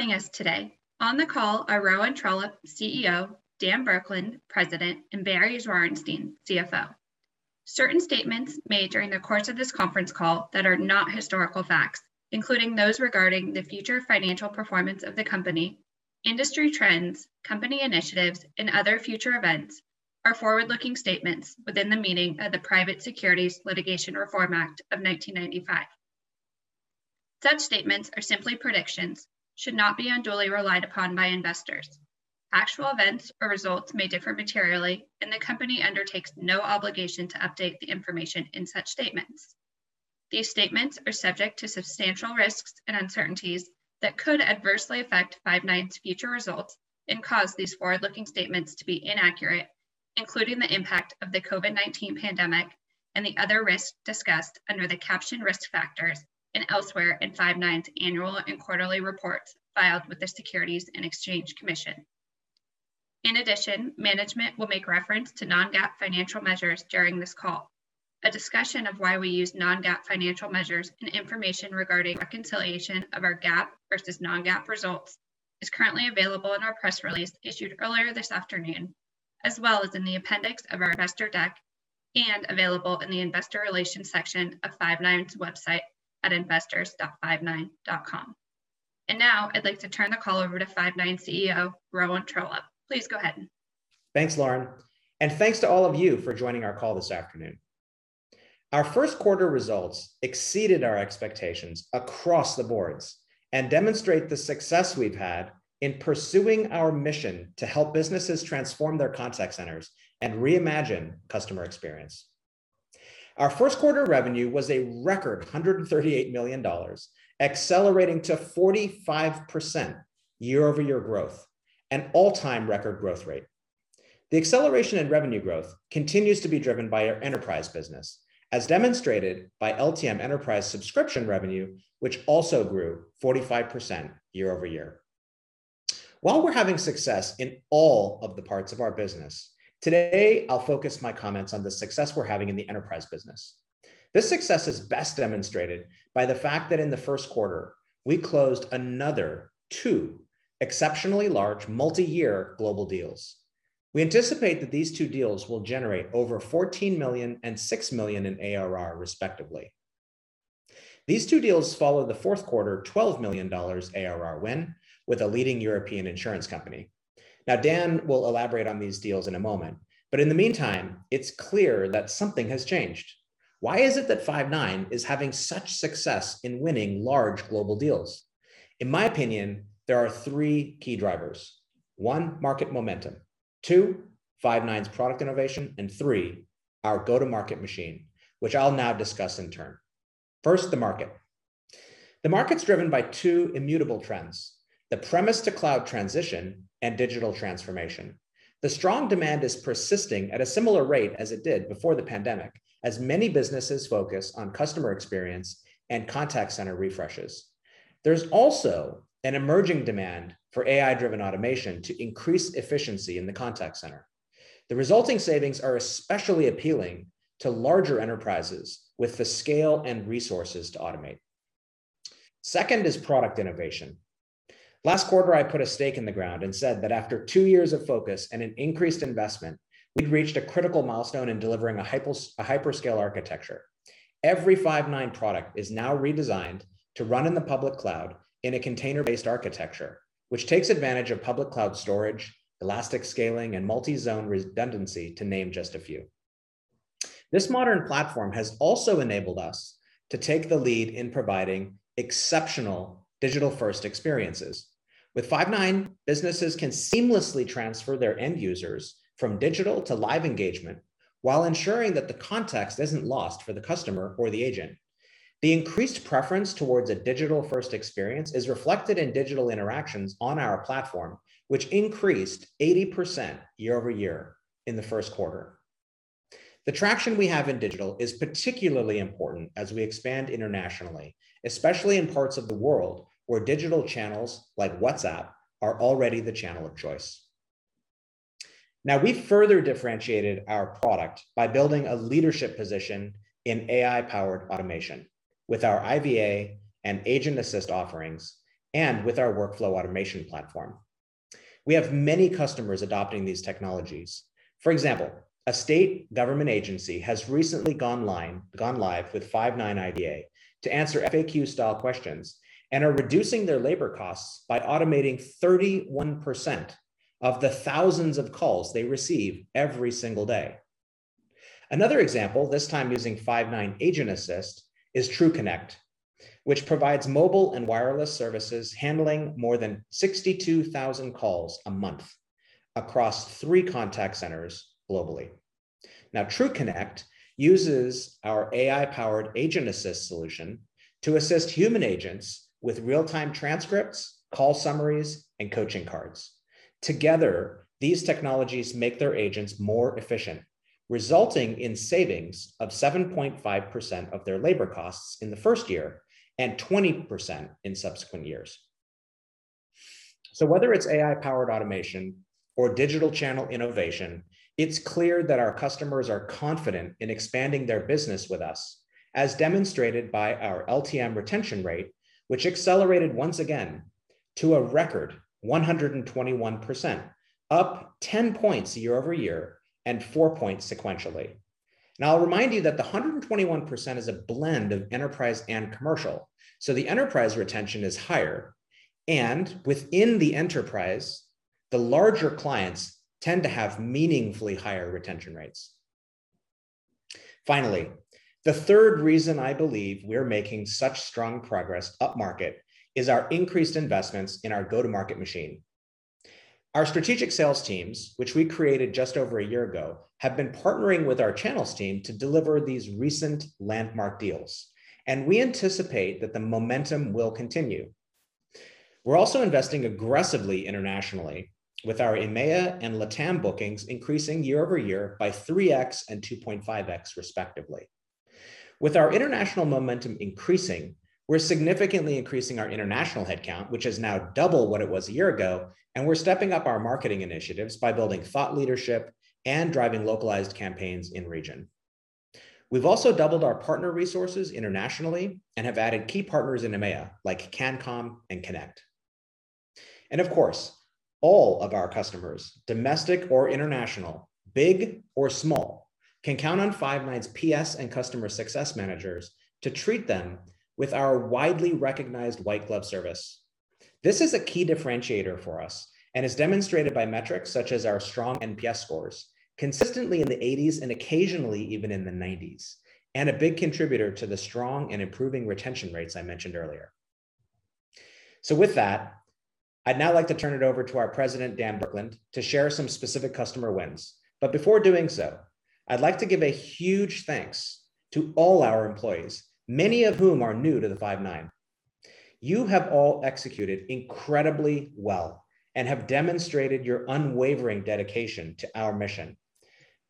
Joining us today on the call are Rowan Trollope, CEO, Dan Burkland, President, and Barry Zwarenstein, CFO. Certain statements made during the course of this conference call that are not historical facts, including those regarding the future financial performance of the company, industry trends, company initiatives, and other future events, are forward-looking statements within the meaning of the Private Securities Litigation Reform Act of 1995. Such statements are simply predictions, should not be unduly relied upon by investors. Actual events or results may differ materially, and the company undertakes no obligation to update the information in such statements. These statements are subject to substantial risks and uncertainties that could adversely affect Five9's future results and cause these forward-looking statements to be inaccurate, including the impact of the COVID-19 pandemic and the other risks discussed under the caption Risk Factors and elsewhere in Five9's annual and quarterly reports filed with the Securities and Exchange Commission. In addition, management will make reference to non-GAAP financial measures during this call. A discussion of why we use non-GAAP financial measures and information regarding reconciliation of our GAAP versus non-GAAP results is currently available in our press release issued earlier this afternoon, as well as in the appendix of our investor deck and available in the investor relations section of Five9's website at investors.five9.com. Now I'd like to turn the call over to Five9 CEO, Rowan Trollope. Please go ahead. Thanks, Lauren. Thanks to all of you for joining our call this afternoon. Our first quarter results exceeded our expectations across the board and demonstrate the success we've had in pursuing our mission to help businesses transform their contact centers and reimagine customer experience. Our first quarter revenue was a record $138 million, accelerating to 45% YoY growth, an all-time record growth rate. The acceleration in revenue growth continues to be driven by our enterprise business, as demonstrated by LTM enterprise subscription revenue, which also grew 45% YoY. While we're having success in all of the parts of our business, today I'll focus my comments on the success we're having in the enterprise business. This success is best demonstrated by the fact that in the first quarter, we closed another two exceptionally large multi-year global deals. We anticipate that these two deals will generate over $14 million and $6 million in ARR respectively. These two deals follow the fourth quarter $12 million ARR win with a leading European insurance company. Dan will elaborate on these deals in a moment, but in the meantime, it's clear that something has changed. Why is it that Five9 is having such success in winning large global deals? In my opinion, there are three key drivers. One, market momentum. Two, Five9's product innovation, and three, our go-to-market machine, which I'll now discuss in turn. First, the market. The market's driven by two immutable trends, the premise to cloud transition and digital transformation. The strong demand is persisting at a similar rate as it did before the pandemic, as many businesses focus on customer experience and contact center refreshes. There's also an emerging demand for AI-driven automation to increase efficiency in the contact center. The resulting savings are especially appealing to larger enterprises with the scale and resources to automate. Second is product innovation. Last quarter, I put a stake in the ground and said that after two years of focus and an increased investment, we'd reached a critical milestone in delivering a hyperscale architecture. Every Five9 product is now redesigned to run in the public cloud in a container-based architecture, which takes advantage of public cloud storage, elastic scaling, and multi-zone redundancy, to name just a few. This modern platform has also enabled us to take the lead in providing exceptional digital-first experiences. With Five9, businesses can seamlessly transfer their end users from digital to live engagement while ensuring that the context isn't lost for the customer or the agent. The increased preference towards a digital-first experience is reflected in digital interactions on our platform, which increased 80% YoY in the first quarter. The traction we have in digital is particularly important as we expand internationally, especially in parts of the world where digital channels like WhatsApp are already the channel of choice. Now, we've further differentiated our product by building a leadership position in AI-powered automation with our IVA and Agent Assist offerings and with our workflow automation platform. We have many customers adopting these technologies. For example, a state government agency has recently gone live with Five9 IVA to answer FAQ-style questions and are reducing their labor costs by automating 31% of the thousands of calls they receive every single day. Another example, this time using Five9 Agent Assist, is TruConnect, which provides mobile and wireless services handling more than 62,000 calls a month across three contact centers globally. TruConnect uses our AI-powered Agent Assist solution to assist human agents with real-time transcripts, call summaries, and coaching cards. Together, these technologies make their agents more efficient, resulting in savings of 7.5% of their labor costs in the first year and 20% in subsequent years. Whether it's AI-powered automation or digital channel innovation, it's clear that our customers are confident in expanding their business with us, as demonstrated by our LTM retention rate, which accelerated once again to a record 121%, up 10 points YoY and four points sequentially. I'll remind you that the 121% is a blend of enterprise and commercial. The enterprise retention is higher, and within the enterprise, the larger clients tend to have meaningfully higher retention rates. The third reason I believe we're making such strong progress up-market is our increased investments in our go-to-market machine. Our strategic sales teams, which we created just over a year ago, have been partnering with our channels team to deliver these recent landmark deals, and we anticipate that the momentum will continue. We're also investing aggressively internationally with our EMEA and LATAM bookings increasing YoY by 3x and 2.5x respectively. With our international momentum increasing, we're significantly increasing our international headcount, which is now double what it was a year ago, and we're stepping up our marketing initiatives by building thought leadership and driving localized campaigns in-region. We've also doubled our partner resources internationally and have added key partners in EMEA, like Cancom and Connect. Of course, all of our customers, domestic or international, big or small, can count on Five9's PS and customer success managers to treat them with our widely recognized white glove service. This is a key differentiator for us and is demonstrated by metrics such as our strong NPS scores, consistently in the 80s and occasionally even in the 90s, and a big contributor to the strong and improving retention rates I mentioned earlier. With that, I'd now like to turn it over to our President, Dan Burkland, to share some specific customer wins. Before doing so, I'd like to give a huge thanks to all our employees, many of whom are new to Five9. You have all executed incredibly well and have demonstrated your unwavering dedication to our mission.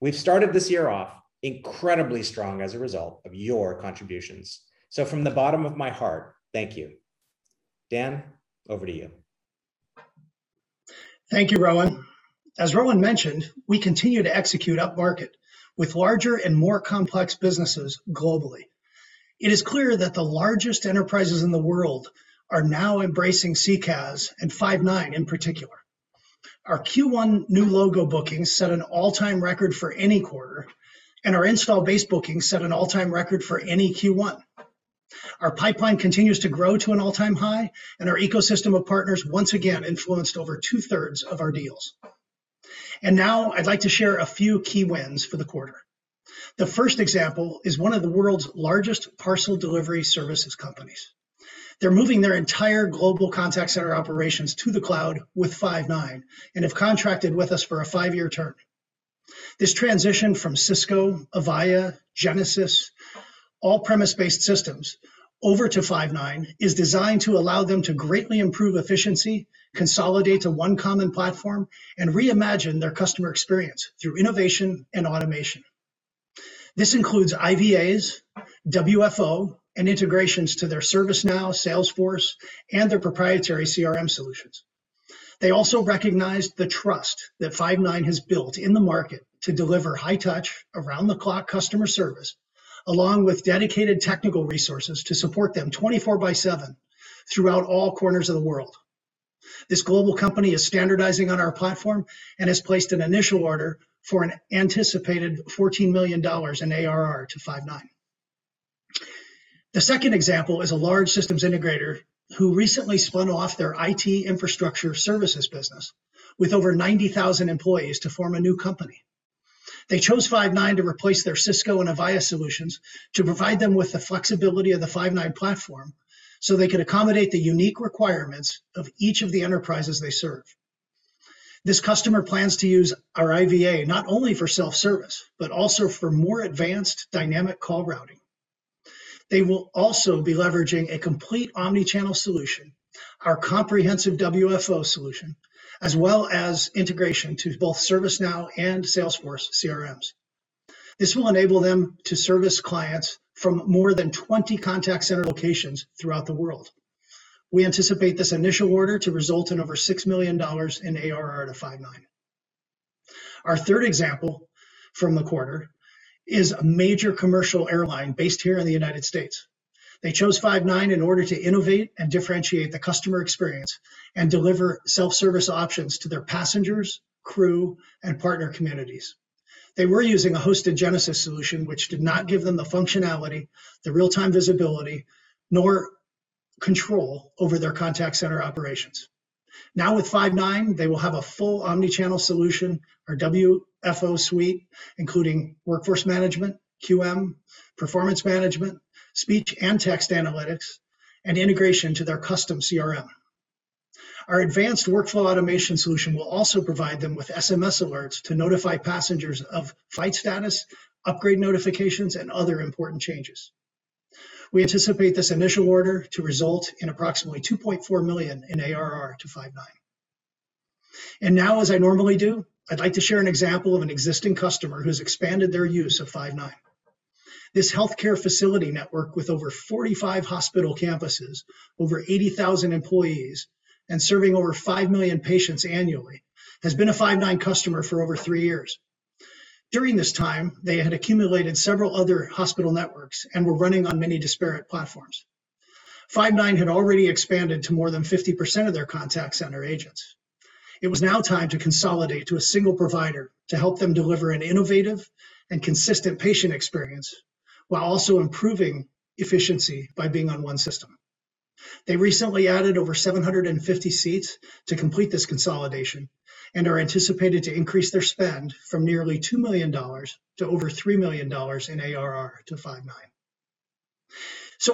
We've started this year off incredibly strong as a result of your contributions. From the bottom of my heart, thank you. Dan, over to you. Thank you, Rowan. As Rowan mentioned, we continue to execute up-market with larger and more complex businesses globally. It is clear that the largest enterprises in the world are now embracing CCaaS and Five9 in particular. Our Q1 new logo bookings set an all-time record for any quarter, and our install base booking set an all-time record for any Q1. Our pipeline continues to grow to an all-time high, and our ecosystem of partners once again influenced over 2/3 of our deals. Now I'd like to share a few key wins for the quarter. The first example is one of the world's largest parcel delivery services companies. They're moving their entire global contact center operations to the cloud with Five9 and have contracted with us for a five-year term. This transition from Cisco, Avaya, Genesys, all premise-based systems over to Five9 is designed to allow them to greatly improve efficiency, consolidate to one common platform, and reimagine their customer experience through innovation and automation. This includes IVAs, WFO, and integrations to their ServiceNow, Salesforce, and their proprietary CRM solutions. They also recognized the trust that Five9 has built in the market to deliver high touch around the clock customer service, along with dedicated technical resources to support them 24 by seven throughout all corners of the world. This global company is standardizing on our platform and has placed an initial order for an anticipated $14 million in ARR to Five9. The second example is a large systems integrator who recently spun off their IT infrastructure services business with over 90,000 employees to form a new company. They chose Five9 to replace their Cisco and Avaya solutions to provide them with the flexibility of the Five9 platform so they could accommodate the unique requirements of each of the enterprises they serve. This customer plans to use our IVA not only for self-service, but also for more advanced dynamic call routing. They will also be leveraging a complete omni-channel solution, our comprehensive WFO solution, as well as integration to both ServiceNow and Salesforce CRMs. This will enable them to service clients from more than 20 contact center locations throughout the world. We anticipate this initial order to result in over $6 million in ARR to Five9. Our third example from the quarter is a major commercial airline based here in the U.S. They chose Five9 in order to innovate and differentiate the customer experience and deliver self-service options to their passengers, crew, and partner communities. They were using a hosted Genesys solution, which did not give them the functionality, the real-time visibility, nor control over their contact center operations. With Five9, they will have a full omni-channel solution, our WFO suite, including workforce management, QM, performance management, speech and text analytics, and integration to their custom CRM. Our advanced workflow automation solution will also provide them with SMS alerts to notify passengers of flight status, upgrade notifications, and other important changes. We anticipate this initial order to result in approximately $2.4 million in ARR to Five9. Now, as I normally do, I'd like to share an example of an existing customer who's expanded their use of Five9. This healthcare facility network with over 45 hospital campuses, over 80,000 employees, and serving over five million patients annually, has been a Five9 customer for over three years. During this time, they had accumulated several other hospital networks and were running on many disparate platforms. Five9 had already expanded to more than 50% of their contact center agents. It was now time to consolidate to a single provider to help them deliver an innovative and consistent patient experience, while also improving efficiency by being on one system. They recently added over 750 seats to complete this consolidation, and are anticipated to increase their spend from nearly $2 million to over $3 million in ARR to Five9.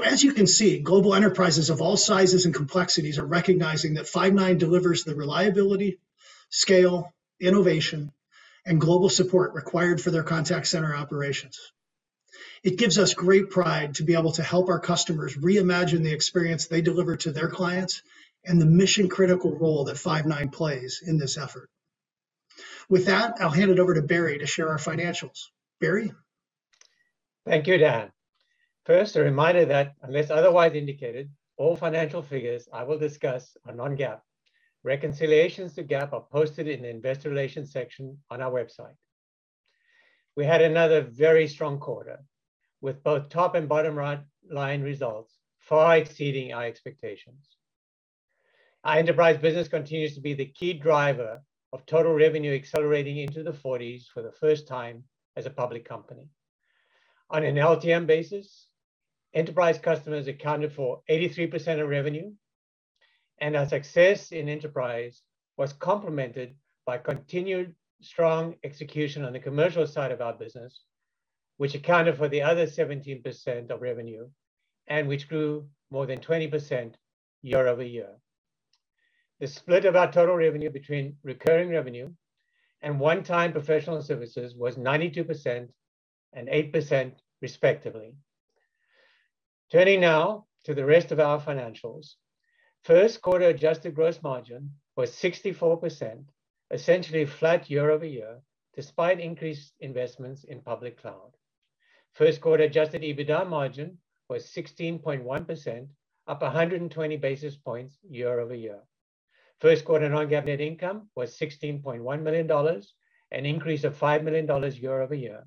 As you can see, global enterprises of all sizes and complexities are recognizing that Five9 delivers the reliability, scale, innovation, and global support required for their contact center operations. It gives us great pride to be able to help our customers reimagine the experience they deliver to their clients, and the mission critical role that Five9 plays in this effort. With that, I'll hand it over to Barry to share our financials. Barry? Thank you, Dan. First, a reminder that unless otherwise indicated, all financial figures I will discuss are non-GAAP. Reconciliations to GAAP are posted in the investor relations section on our website. We had another very strong quarter, with both top and bottom line results far exceeding our expectations. Our enterprise business continues to be the key driver of total revenue accelerating into the 40s for the first time as a public company. On an LTM basis, enterprise customers accounted for 83% of revenue, and our success in enterprise was complemented by continued strong execution on the commercial side of our business, which accounted for the other 17% of revenue, and which grew more than 20% YoY. The split of our total revenue between recurring revenue and one-time professional services was 92% and 8%, respectively. Turning now to the rest of our financials. First quarter adjusted gross margin was 64%, essentially flat YoY, despite increased investments in public cloud. First quarter Adjusted EBITDA margin was 16.1%, up 120 basis points YoY. First quarter non-GAAP net income was $16.1 million, an increase of $5 million YoY.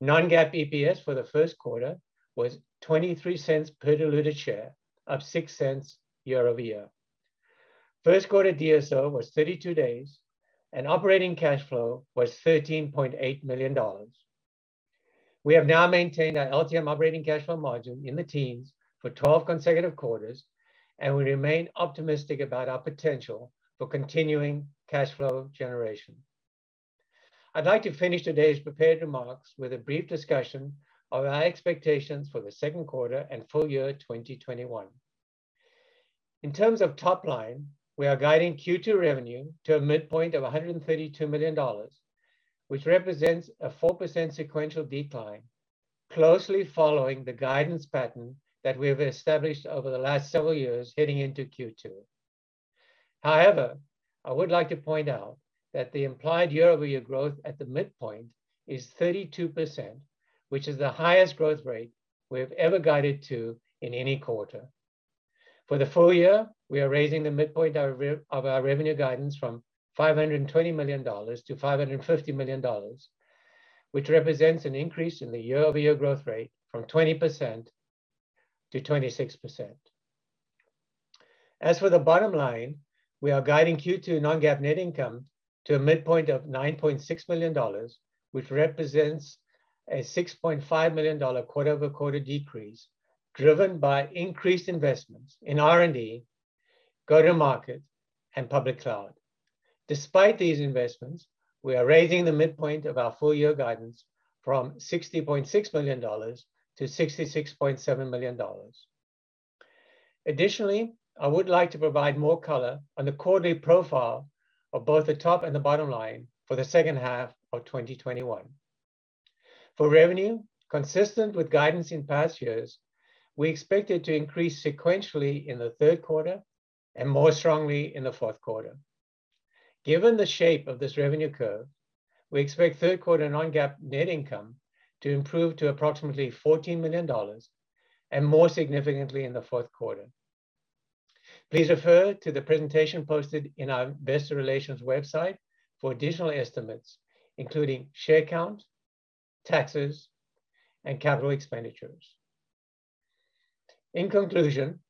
Non-GAAP EPS for the first quarter was $0.23 per diluted share, up $0.06 YoY. First quarter DSO was 32 days, and operating cash flow was $13.8 million. We have now maintained our LTM operating cash flow margin in the teens for 12 consecutive quarters, and we remain optimistic about our potential for continuing cash flow generation. I'd like to finish today's prepared remarks with a brief discussion of our expectations for the second quarter and full year 2021. In terms of top line, we are guiding Q2 revenue to a midpoint of $132 million, which represents a 4% sequential decline, closely following the guidance pattern that we have established over the last several years heading into Q2. However, I would like to point out that the implied YoY growth at the midpoint is 32%, which is the highest growth rate we have ever guided to in any quarter. For the full year, we are raising the midpoint of our revenue guidance from $520 million-$550 million, which represents an increase in the YoY growth rate from 20%-26%. As for the bottom line, we are guiding Q2 non-GAAP net income to a midpoint of $9.6 million, which represents a $6.5 million quarter-over-quarter decrease, driven by increased investments in R&D, go-to-market, and public cloud. Despite these investments, we are raising the midpoint of our full year guidance from $60.6 million to $66.7 million. Additionally, I would like to provide more color on the quarterly profile of both the top and the bottom line for the second half of 2021. For revenue, consistent with guidance in past years, we expect it to increase sequentially in the third quarter and more strongly in the fourth quarter. Given the shape of this revenue curve, we expect third quarter non-GAAP net income to improve to approximately $14 million and more significantly in the fourth quarter. Please refer to the presentation posted in our investor relations website for additional estimates, including share count, taxes, and capital expenditures. In conclusion,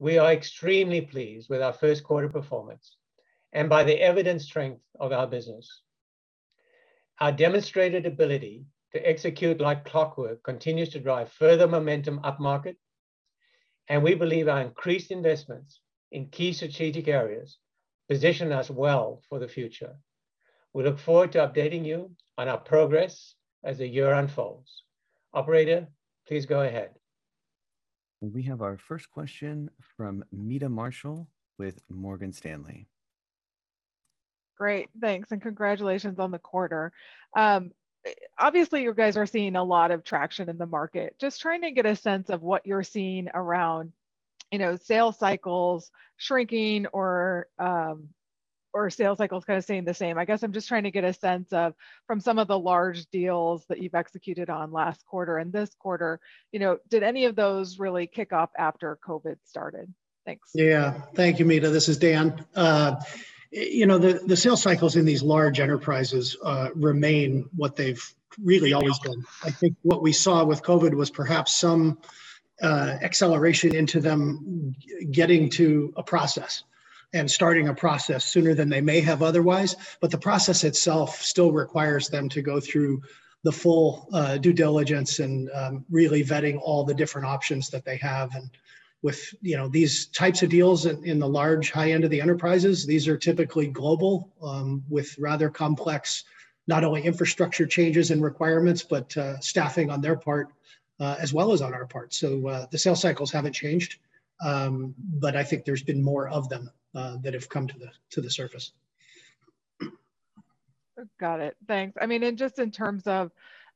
we are extremely pleased with our first quarter performance and by the evident strength of our business. Our demonstrated ability to execute like clockwork continues to drive further momentum up market. We believe our increased investments in key strategic areas position us well for the future. We look forward to updating you on our progress as the year unfolds. Operator, please go ahead. We have our first question from Meta Marshall with Morgan Stanley. Great. Thanks, and congratulations on the quarter. Obviously, you guys are seeing a lot of traction in the market. Just trying to get a sense of what you're seeing around sales cycles shrinking or sales cycles kind of staying the same. I guess I'm just trying to get a sense of, from some of the large deals that you've executed on last quarter and this quarter, did any of those really kick off after COVID started? Thanks. Yeah. Thank you, Meta. This is Dan. The sales cycles in these large enterprises remain what they've really always been. I think what we saw with COVID was perhaps some acceleration into them getting to a process and starting a process sooner than they may have otherwise, but the process itself still requires them to go through the full due diligence and really vetting all the different options that they have. With these types of deals in the large high end of the enterprises, these are typically global, with rather complex not only infrastructure changes and requirements, but staffing on their part as well as on our part. The sales cycles haven't changed, but I think there's been more of them that have come to the surface. Got it. Thanks. Just in terms of,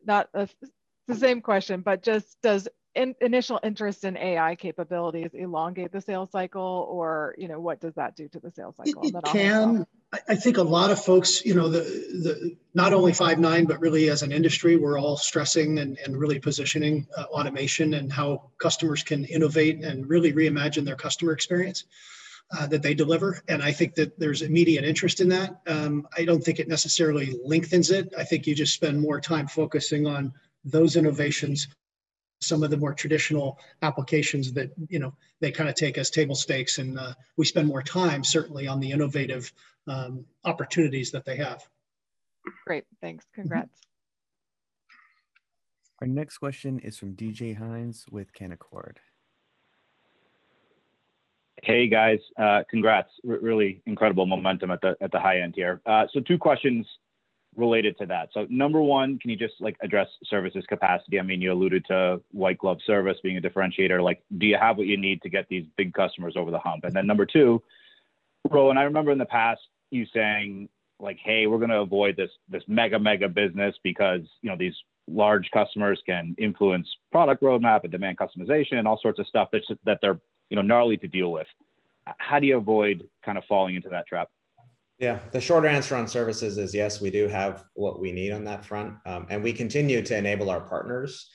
the same question, but just does initial interest in AI capabilities elongate the sales cycle or what does that do to the sales cycle? It can. I think a lot of folks, not only Five9, but really as an industry, we're all stressing and really positioning automation and how customers can innovate and really reimagine their customer experience that they deliver. I think that there's immediate interest in that. I don't think it necessarily lengthens it. I think you just spend more time focusing on those innovations, some of the more traditional applications that they take as table stakes, and we spend more time certainly on the innovative opportunities that they have. Great. Thanks. Congrats. Our next question is from DJ Hynes with Canaccord. Hey, guys. Congrats. Really incredible momentum at the high end here. Two questions related to that. Number one, can you just address services capacity? You alluded to white glove service being a differentiator. Do you have what you need to get these big customers over the hump? Number two, Rowan, I remember in the past you saying, "Hey, we're going to avoid this mega business because these large customers can influence product roadmap and demand customization and all sorts of stuff that they're gnarly to deal with." How do you avoid falling into that trap? Yeah. The short answer on services is yes, we do have what we need on that front. We continue to enable our partners.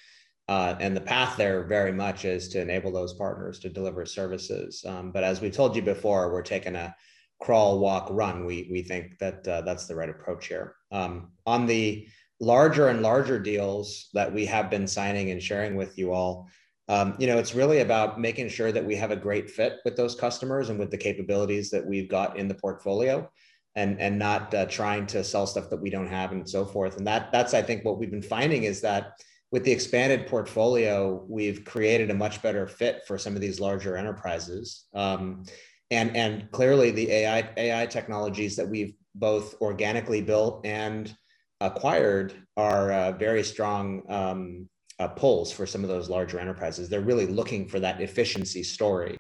The path there very much is to enable those partners to deliver services. As we told you before, we're taking a crawl, walk, run. We think that that's the right approach here. On the larger and larger deals that we have been signing and sharing with you all, it's really about making sure that we have a great fit with those customers and with the capabilities that we've got in the portfolio, and not trying to sell stuff that we don't have and so forth. That's, I think, what we've been finding is that with the expanded portfolio, we've created a much better fit for some of these larger enterprises. Clearly the AI technologies that we've both organically built and acquired are very strong pulls for some of those larger enterprises. They're really looking for that efficiency story.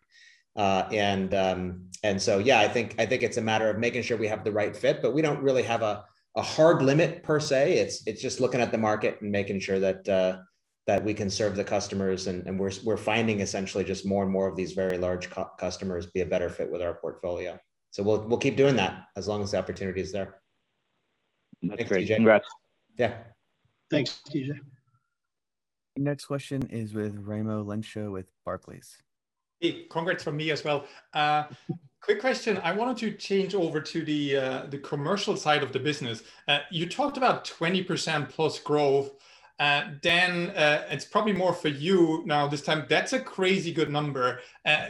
Yeah, I think it's a matter of making sure we have the right fit, we don't really have a hard limit per se. It's just looking at the market and making sure that we can serve the customers, we're finding essentially just more and more of these very large customers be a better fit with our portfolio. We'll keep doing that as long as the opportunity is there. That's great. Thanks, DJ. Congrats. Yeah. Thanks, DJ. Next question is with Raimo Lenschow with Barclays. Hey, congrats from me as well. Quick question. I wanted to change over to the commercial side of the business. You talked about 20%+ growth. Dan, it's probably more for you now this time. That's a crazy good number.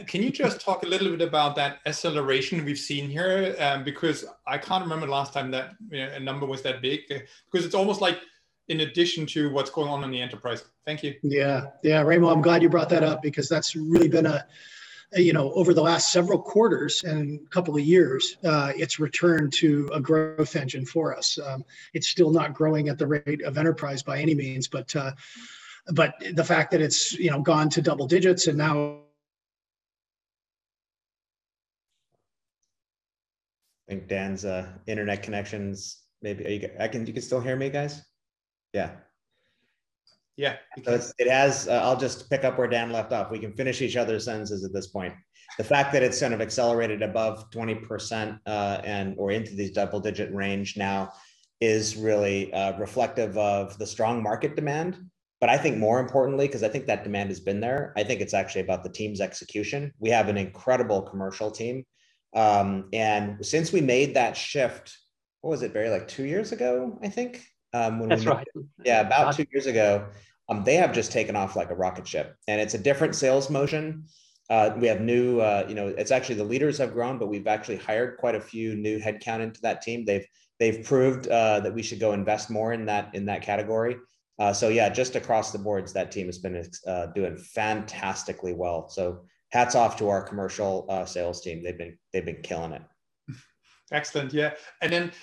Can you just talk a little bit about that acceleration we've seen here? Because I can't remember the last time that a number was that big, because it's almost like in addition to what's going on in the enterprise. Thank you. Yeah. Raimo, I'm glad you brought that up because that's really been, over the last several quarters and couple of years, it's returned to a growth engine for us. It's still not growing at the rate of enterprise by any means. The fact that it's gone to double digits and now I think Dan's internet connection's maybe. You can still hear me, guys? Yeah. Yeah. I'll just pick up where Dan left off. We can finish each other's sentences at this point. The fact that it's kind of accelerated above 20% or into this double-digit range now is really reflective of the strong market demand. I think more importantly, because I think that demand has been there, I think it's actually about the team's execution. We have an incredible commercial team. Since we made that shift, what was it, Barry, like two years ago, I think? That's right. Yeah, about two years ago. They have just taken off like a rocket ship. It's a different sales motion. It's actually the leaders have grown, but we've actually hired quite a few new headcount into that team. They've proved that we should go invest more in that category. Yeah, just across the boards, that team has been doing fantastically well. Hats off to our commercial sales team. They've been killing it. Excellent. Yeah.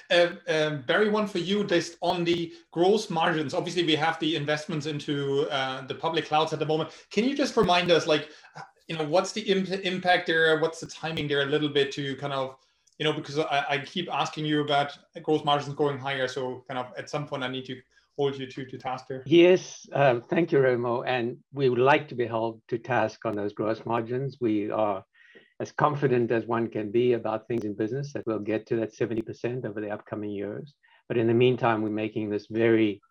Barry, one for you based on the gross margins. Obviously, we have the investments into the public clouds at the moment. Can you just remind us, what's the impact there? What's the timing there? Because I keep asking you about gross margins going higher, so at some point I need to hold you to task here. Yes. Thank you, Raimo. We would like to be held to task on those gross margins. We are as confident as one can be about things in business that we'll get to that 70% over the upcoming years. In the meantime, we're making this very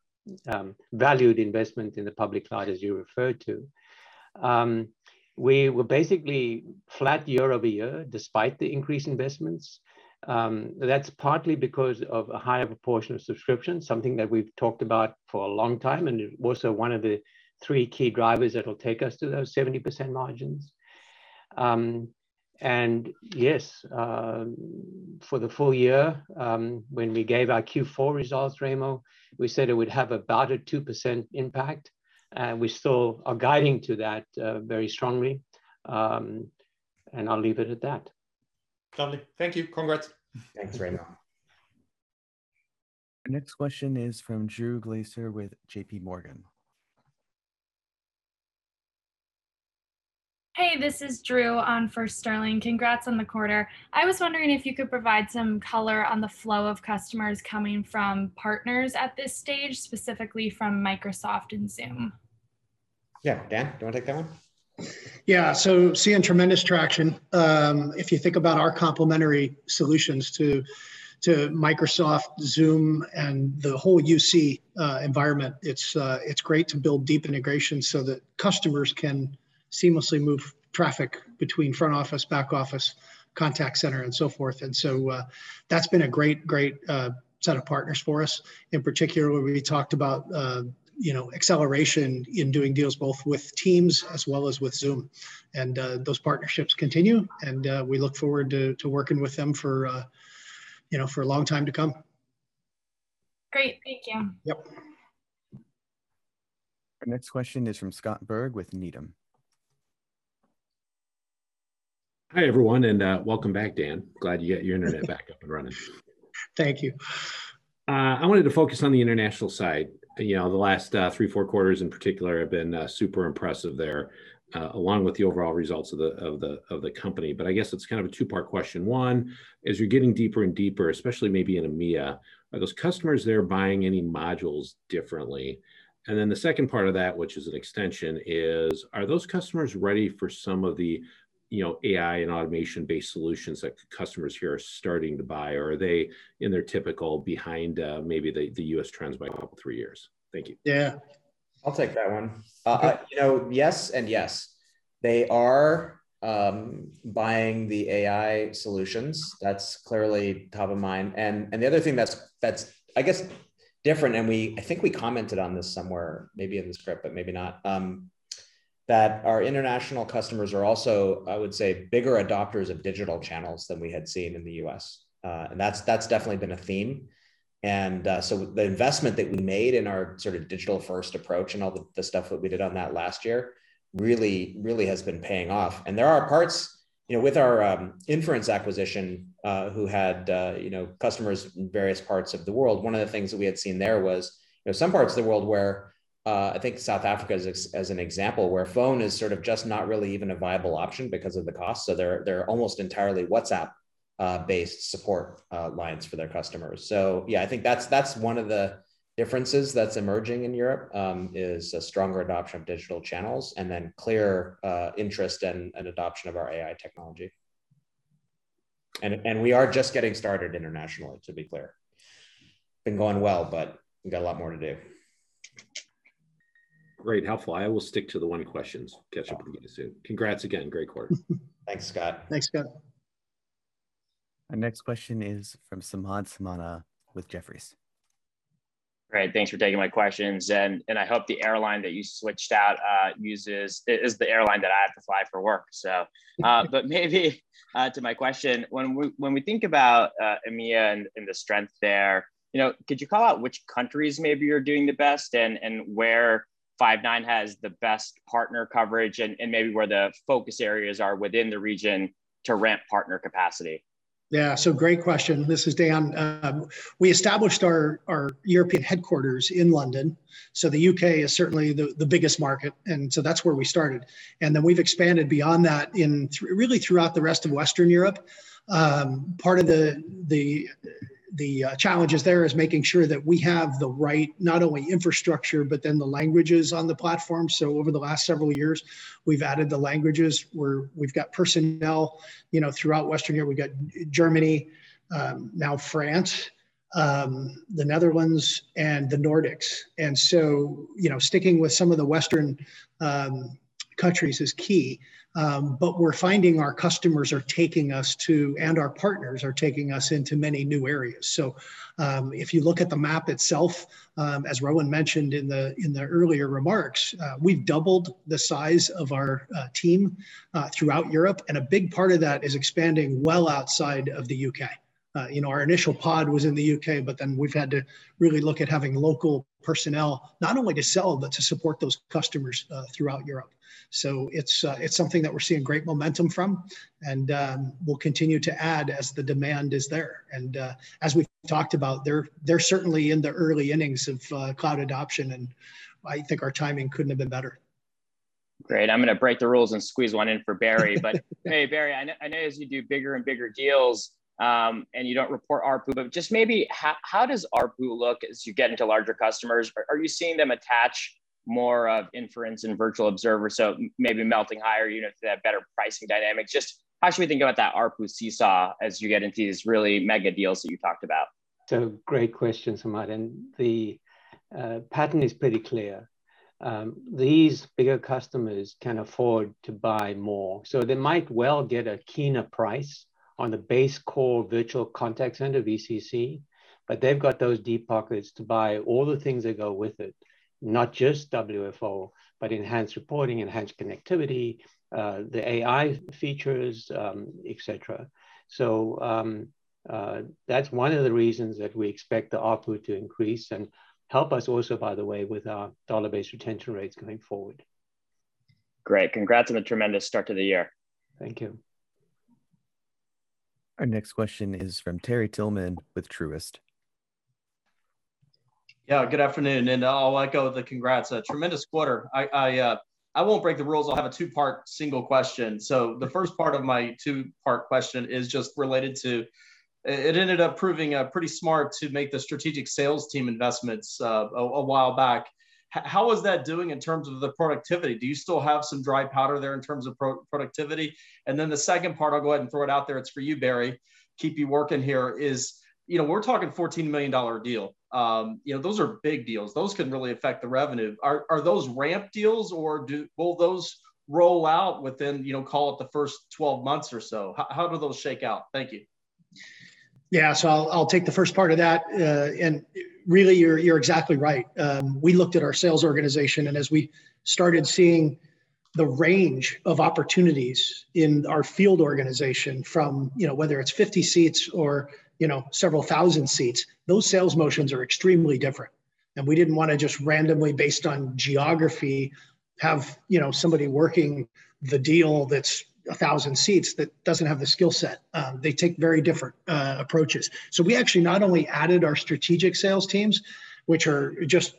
valued investment in the public cloud, as you referred to. We were basically flat YoY despite the increased investments. That's partly because of a higher proportion of subscriptions, something that we've talked about for a long time, and also one of the three key drivers that'll take us to those 70% margins. Yes, for the full year, when we gave our Q4 results, Raimo, we said it would have about a 2% impact, and we still are guiding to that very strongly. I'll leave it at that. Lovely. Thank you. Congrats. Thanks, Raimo. Our next question is from Drew Glaeser with J.P. Morgan. Hey, this is Drew on for Sterling. Congrats on the quarter. I was wondering if you could provide some color on the flow of customers coming from partners at this stage, specifically from Microsoft and Zoom. Yeah. Dan, do you want to take that one? Yeah. Seeing tremendous traction. If you think about our complementary solutions to Microsoft, Zoom, and the whole UC environment, it's great to build deep integration so that customers can seamlessly move traffic between front office, back office, contact center, and so forth. That's been a great set of partners for us. In particular, we talked about acceleration in doing deals both with Teams as well as with Zoom. Those partnerships continue, and we look forward to working with them for a long time to come. Great. Thank you. Yep. Our next question is from Scott Berg with Needham. Hi, everyone, and welcome back, Dan. Glad you got your internet back up and running. Thank you. I wanted to focus on the international side. The last three, four quarters in particular have been super impressive there, along with the overall results of the company. I guess it's a two-part question. One, as you're getting deeper and deeper, especially maybe in EMEA, are those customers there buying any modules differently? The second part of that, which is an extension, is are those customers ready for some of the AI and automation-based solutions that customers here are starting to buy, or are they in their typical behind maybe the U.S. trends by about three years? Thank you. Yeah. I'll take that one. Yes and yes. They are buying the AI solutions. That's clearly top of mind. The other thing that's, I guess, different, and I think we commented on this somewhere, maybe in the script, but maybe not, that our international customers are also, I would say, bigger adopters of digital channels than we had seen in the U.S. That's definitely been a theme. The investment that we made in our digital-first approach and all the stuff that we did on that last year really has been paying off. There are parts with our Inference Solutions acquisition who had customers in various parts of the world. One of the things that we had seen there was some parts of the world where, I think South Africa as an example, where phone is just not really even a viable option because of the cost, so they're almost entirely WhatsApp-based support lines for their customers. Yeah, I think that's one of the differences that's emerging in Europe, is a stronger adoption of digital channels, and then clear interest and adoption of our AI technology. We are just getting started internationally, to be clear. Been going well, but we got a lot more to do. Great. Helpful. I will stick to the one question. Catch up with you soon. Congrats again. Great quarter. Thanks, Scott. Thanks, Scott. Our next question is from Samad Samana with Jefferies. Great. Thanks for taking my questions. I hope the airline that you switched out is the airline that I have to fly for work. Maybe to my question, when we think about EMEA and the strength there, could you call out which countries maybe are doing the best, and where Five9 has the best partner coverage, and maybe where the focus areas are within the region to ramp partner capacity? Yeah. Great question. This is Dan. We established our European headquarters in London. The U.K. is certainly the biggest market. That's where we started. We've expanded beyond that really throughout the rest of Western Europe. Part of the challenges there is making sure that we have the right not only infrastructure, but then the languages on the platform. Over the last several years, we've added the languages. We've got personnel throughout Western Europe. We've got Germany, now France, the Netherlands, and the Nordics. Sticking with some of the Western countries is key. We're finding our customers are taking us to, and our partners are taking us into many new areas. If you look at the map itself, as Rowan mentioned in the earlier remarks, we've doubled the size of our team throughout Europe, and a big part of that is expanding well outside of the U.K. Our initial pod was in the U.K., but then we've had to really look at having local personnel, not only to sell, but to support those customers throughout Europe. It's something that we're seeing great momentum from, and we'll continue to add as the demand is there. As we've talked about, they're certainly in the early innings of cloud adoption, and I think our timing couldn't have been better. Great. I'm going to break the rules and squeeze one in for Barry. Hey, Barry, I know as you do bigger and bigger deals, and you don't report ARPU, but just maybe how does ARPU look as you get into larger customers? Are you seeing them attach more of Inference and Virtual Observer, so maybe melting higher units that have better pricing dynamics? Just how should we think about that ARPU seesaw as you get into these really mega deals that you talked about? It's a great question, Samad. The pattern is pretty clear. These bigger customers can afford to buy more. They might well get a keener price on the base core Virtual Contact Center, VCC, but they've got those deep pockets to buy all the things that go with it. Not just WFO, but enhanced reporting, enhanced connectivity, the AI features, et cetera. That's one of the reasons that we expect the ARPU to increase and help us also, by the way, with our dollar-based retention rates going forward. Great. Congrats on the tremendous start to the year. Thank you. Our next question is from Terry Tillman with Truist. Good afternoon, I'll echo the congrats. A tremendous quarter. I won't break the rules. I'll have a two-part single question. The first part of my two-part question is just related to, it ended up proving pretty smart to make the strategic sales team investments a while back. How is that doing in terms of the productivity? Do you still have some dry powder there in terms of productivity? The second part, I'll go ahead and throw it out there. It's for you, Barry. Keep you working here, is we're talking $14 million deal. Those are big deals. Those can really affect the revenue. Are those ramp deals, or will those roll out within call it the first 12 months or so? How do those shake out? Thank you. Yeah. I'll take the first part of that, and really, you're exactly right. We looked at our sales organization, and as we started seeing the range of opportunities in our field organization from whether it's 50 seats or several thousand seats, those sales motions are extremely different. We didn't want to just randomly, based on geography, have somebody working the deal that's 1,000 seats that doesn't have the skill set. They take very different approaches. We actually not only added our strategic sales teams, which are just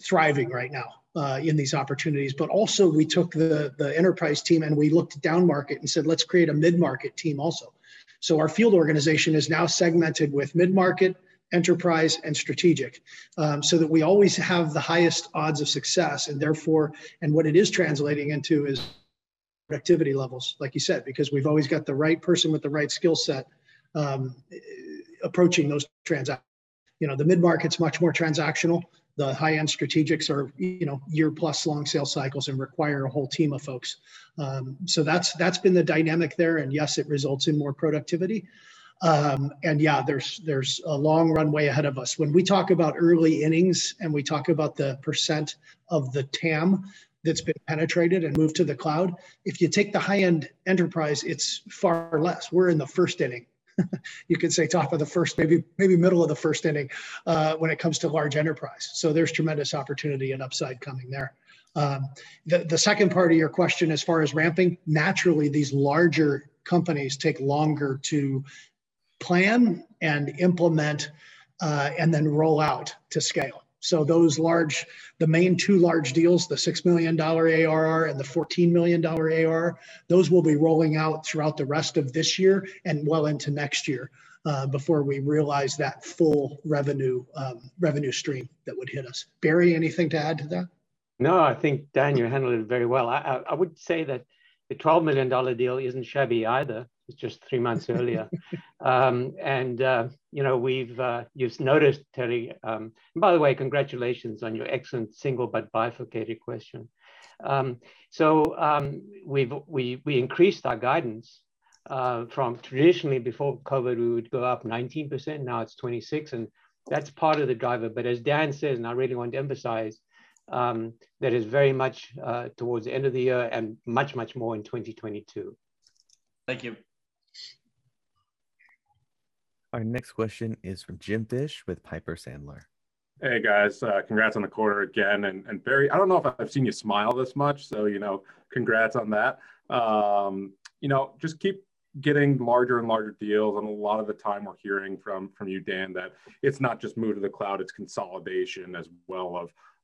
thriving right now in these opportunities, but also we took the enterprise team, and we looked downmarket and said, "Let's create a mid-market team also." Our field organization is now segmented with mid-market, enterprise, and strategic, so that we always have the highest odds of success and therefore, and what it is translating into is productivity levels, like you said, because we've always got the right person with the right skill set approaching those transactions. The mid-market's much more transactional. The high-end strategics are year-plus long sales cycles and require a whole team of folks. That's been the dynamic there, and yes, it results in more productivity. Yeah, there's a long runway ahead of us. When we talk about early innings, and we talk about the percentage of the TAM that's been penetrated and moved to the cloud, if you take the high-end enterprise, it's far less. We're in the first inning. You can say top of the first, maybe middle of the first inning, when it comes to large enterprise. There's tremendous opportunity and upside coming there. The second part of your question, as far as ramping, naturally, these larger companies take longer to plan and implement, and then roll out to scale. Those large, the main two large deals, the $6 million ARR and the $14 million ARR, those will be rolling out throughout the rest of this year and well into next year, before we realize that full revenue stream that would hit us. Barry, anything to add to that? No, I think, Dan, you handled it very well. I would say that the $12 million deal isn't shabby either. It's just three months earlier. You've noticed, Terry. By the way, congratulations on your excellent single, but bifurcated question. We increased our guidance from traditionally before COVID-19, we would go up 19%, now it's 26%, and that's part of the driver. As Dan says, and I really want to emphasize, that is very much towards the end of the year and much, much more in 2022. Thank you. Our next question is from Jim Fish with Piper Sandler. Hey, guys. Congrats on the quarter again. Barry, I don't know if I've seen you smile this much, congrats on that. Just keep getting larger and larger deals. A lot of the time we're hearing from you, Dan, that it's not just move to the cloud, it's consolidation as well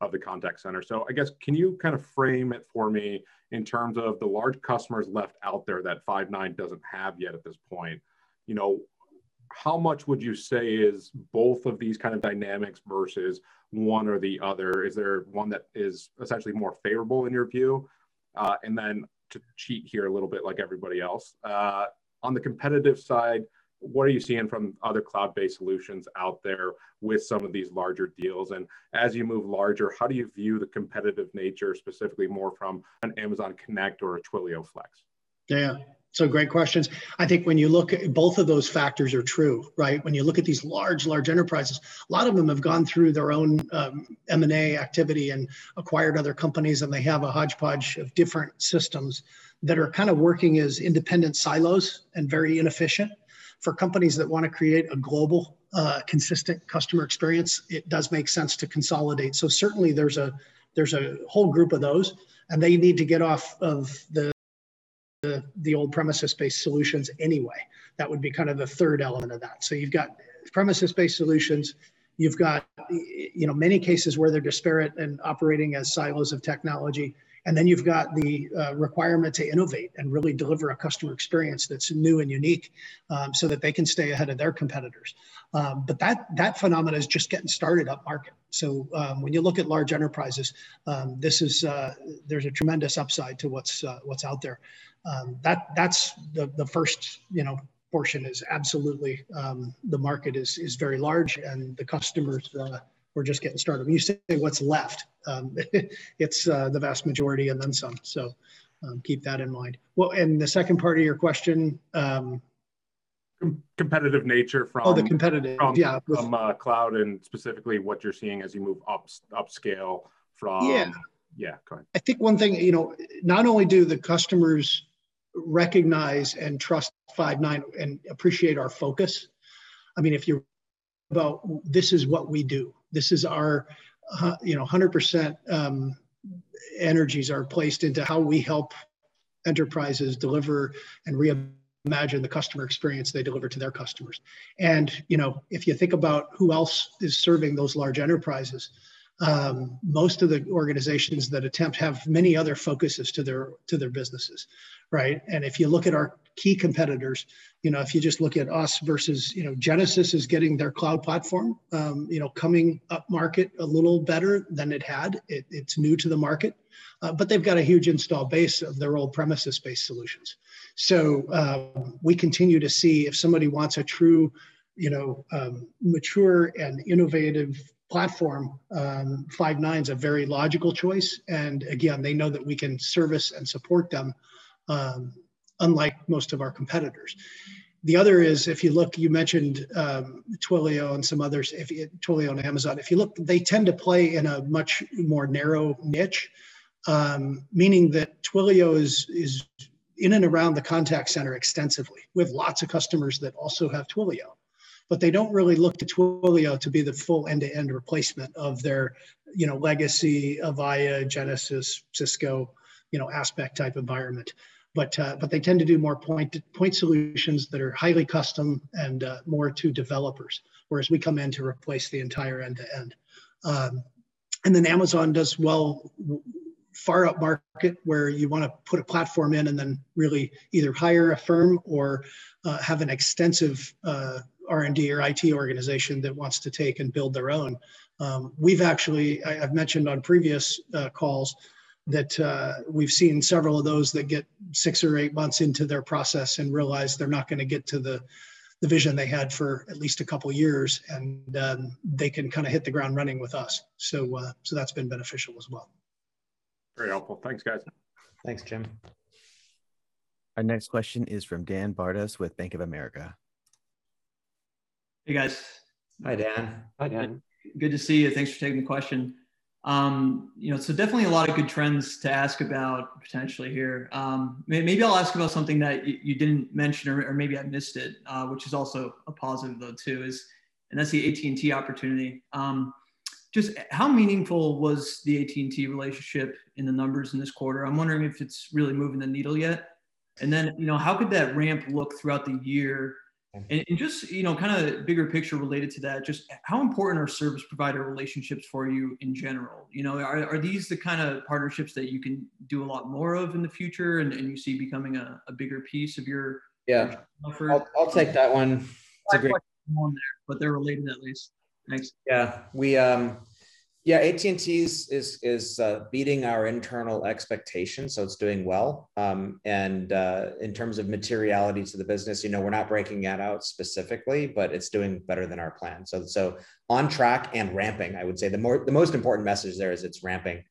of the contact center. I guess, can you kind of frame it for me in terms of the large customers left out there that Five9 doesn't have yet at this point? How much would you say is both of these kind of dynamics versus one or the other? Is there one that is essentially more favorable in your view? To cheat here a little bit like everybody else, on the competitive side, what are you seeing from other cloud-based solutions out there with some of these larger deals? As you move larger, how do you view the competitive nature, specifically more from an Amazon Connect or a Twilio Flex? Dan. Great questions. I think when you look at both of those factors are true, right? When you look at these large enterprises, a lot of them have gone through their own M&A activity and acquired other companies, and they have a hodgepodge of different systems that are kind of working as independent silos and very inefficient. For companies that want to create a global, consistent customer experience, it does make sense to consolidate. Certainly there's a whole group of those, and they need to get off of the old premises-based solutions anyway. That would be the third element of that. You've got premises-based solutions, you've got many cases where they're disparate and operating as silos of technology, and then you've got the requirement to innovate and really deliver a customer experience that's new and unique so that they can stay ahead of their competitors. That phenomena is just getting started upmarket. When you look at large enterprises, there's a tremendous upside to what's out there. That's the first portion is absolutely the market is very large, and the customers we're just getting started. When you say what's left, it's the vast majority and then some. Keep that in mind. Well, the second part of your question. Competitive nature Oh, the competitive. Yeah. from cloud and specifically what you're seeing as you move upscale from. Yeah Yeah. Go ahead. I think one thing, not only do the customers recognize and trust Five9 and appreciate our focus, I mean, Well, this is what we do. This is our 100% energies are placed into how we help enterprises deliver and reimagine the customer experience they deliver to their customers. If you think about who else is serving those large enterprises, most of the organizations that attempt have many other focuses to their businesses. Right? If you look at our key competitors, if you just look at us versus Genesys is getting their cloud platform coming upmarket a little better than it had. It's new to the market. They've got a huge install base of their old premises-based solutions. We continue to see if somebody wants a true mature and innovative platform, Five9's a very logical choice. Again, they know that we can service and support them, unlike most of our competitors. The other is, if you look, you mentioned Twilio and Amazon. If you look, they tend to play in a much more narrow niche, meaning that Twilio is in and around the contact center extensively. We have lots of customers that also have Twilio. They don't really look to Twilio to be the full end-to-end replacement of their legacy of Avaya, Genesys, Cisco Aspect type environment. They tend to do more point-to-point solutions that are highly custom and more to developers, whereas we come in to replace the entire end-to-end. Then Amazon does well far upmarket where you want to put a platform in and then really either hire a firm or have an extensive R&D or IT organization that wants to take and build their own. I've mentioned on previous calls that we've seen several of those that get six or eight months into their process and realize they're not going to get to the vision they had for at least a couple of years, and they can hit the ground running with us. That's been beneficial as well. Very helpful. Thanks, guys. Thanks, Jim. Our next question is from Dan Bartus with Bank of America. Hey, guys. Hi, Dan. Hi, Dan. Good to see you. Thanks for taking the question. Definitely a lot of good trends to ask about potentially here. Maybe I'll ask about something that you didn't mention, or maybe I missed it, which is also a positive, though, too, that's the AT&T opportunity. Just how meaningful was the AT&T relationship in the numbers in this quarter? I'm wondering if it's really moving the needle yet. How could that ramp look throughout the year? Just kind of bigger picture related to that, just how important are service provider relationships for you in general? Are these the kind of partnerships that you can do a lot more of in the future and you see becoming a bigger piece of? Yeah offer? I'll take that one. Two part one there, but they're related at least. Thanks. Yeah. AT&T is beating our internal expectations. It's doing well. In terms of materiality to the business, we're not breaking that out specifically, but it's doing better than our plan. On track and ramping, I would say. The most important message there is it's ramping.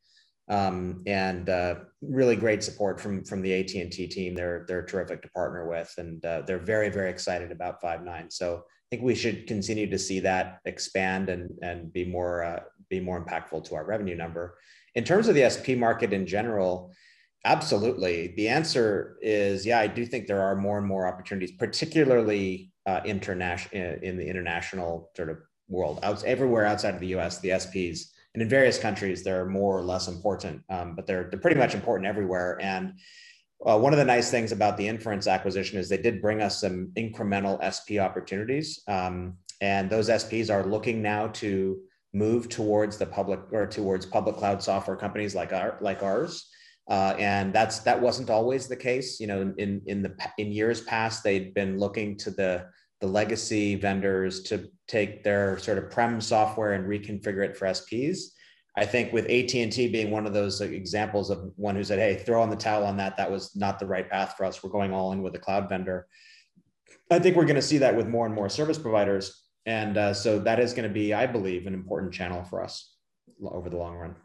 Really great support from the AT&T team. They're terrific to partner with, and they're very excited about Five9. I think we should continue to see that expand and be more impactful to our revenue number. In terms of the SP market in general, absolutely, the answer is, yeah, I do think there are more and more opportunities, particularly in the international sort of world. Everywhere outside of the U.S., the SPs, and in various countries, they're more or less important. They're pretty much important everywhere. One of the nice things about the Inference acquisition is they did bring us some incremental SP opportunities. Those SPs are looking now to move towards public cloud software companies like ours. That wasn't always the case. In years past, they'd been looking to the legacy vendors to take their sort of prem software and reconfigure it for SPs. I think with AT&T being one of those examples of one who said, "Hey, throw in the towel on that. That was not the right path for us. We're going all in with a cloud vendor." I think we're going to see that with more and more service providers. That is going to be, I believe, an important channel for us over the long run.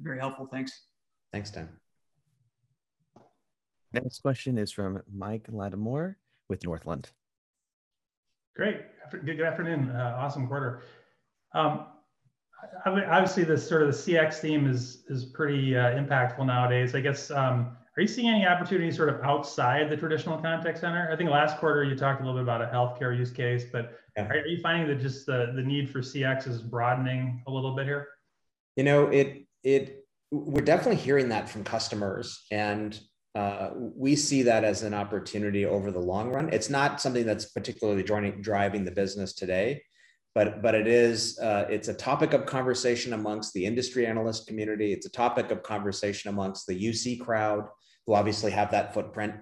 Very helpful. Thanks. Thanks, Dan. Next question is from Mike Latimore with Northland. Great. Good afternoon. Awesome quarter. The sort of the CX theme is pretty impactful nowadays. I guess, are you seeing any opportunities sort of outside the traditional contact center? I think last quarter you talked a little bit about a healthcare use case. Yeah Are you finding that just the need for CX is broadening a little bit here? We're definitely hearing that from customers, and we see that as an opportunity over the long run. It's not something that's particularly driving the business today, but it's a topic of conversation amongst the industry analyst community. It's a topic of conversation amongst the UC crowd, who obviously have that footprint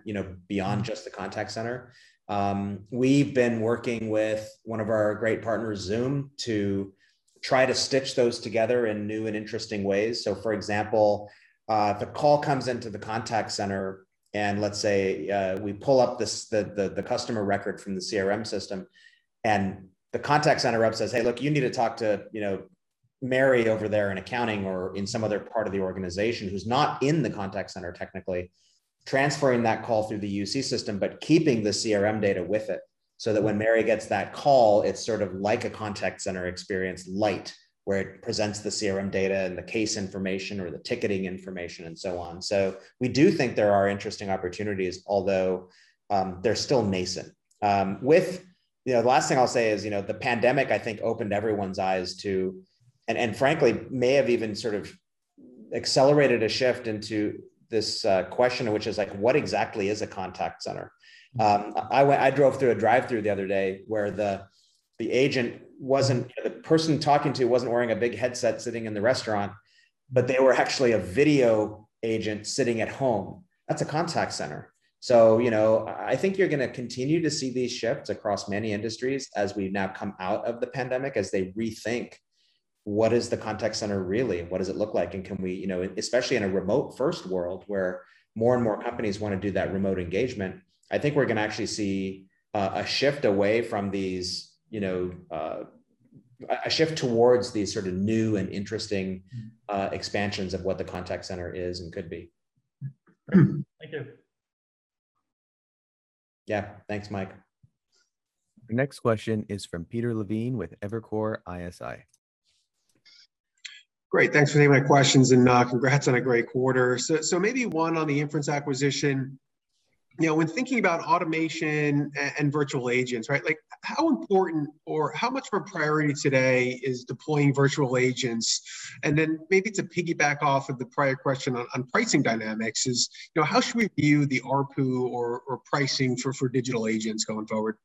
beyond just the contact center. We've been working with one of our great partners, Zoom, to try to stitch those together in new and interesting ways. For example, the call comes into the contact center and let's say we pull up the customer record from the CRM system and the contact center rep says, "Hey, look, you need to talk to Mary over there in accounting or in some other part of the organization who's not in the contact center technically." Transferring that call through the UC system, but keeping the CRM data with it so that when Mary gets that call, it's like a contact center experience lite, where it presents the CRM data and the case information, or the ticketing information, and so on. We do think there are interesting opportunities, although they're still nascent. The last thing I'll say is the pandemic, I think, opened everyone's eyes to, and frankly may have even accelerated a shift into this question, which is, what exactly is a contact center? I drove through a drive-through the other day where the person I was talking to wasn't wearing a big headset sitting in the restaurant, but they were actually a video agent sitting at home. That's a contact center. I think you're going to continue to see these shifts across many industries as we now come out of the pandemic, as they rethink what is the contact center really, and what does it look like, and can we, especially in a remote first world where more and more companies want to do that remote engagement. I think we're going to actually see a shift towards these sort of new and interesting expansions of what the contact center is and could be. Thank you. Yeah. Thanks, Mike. The next question is from Peter Levine with Evercore ISI. Great. Thanks for taking my questions, congrats on a great quarter. Maybe one on the Inference acquisition. When thinking about automation and virtual agents, how important or how much of a priority today is deploying virtual agents? Maybe to piggyback off of the prior question on pricing dynamics is how should we view the ARPU or pricing for digital agents going forward?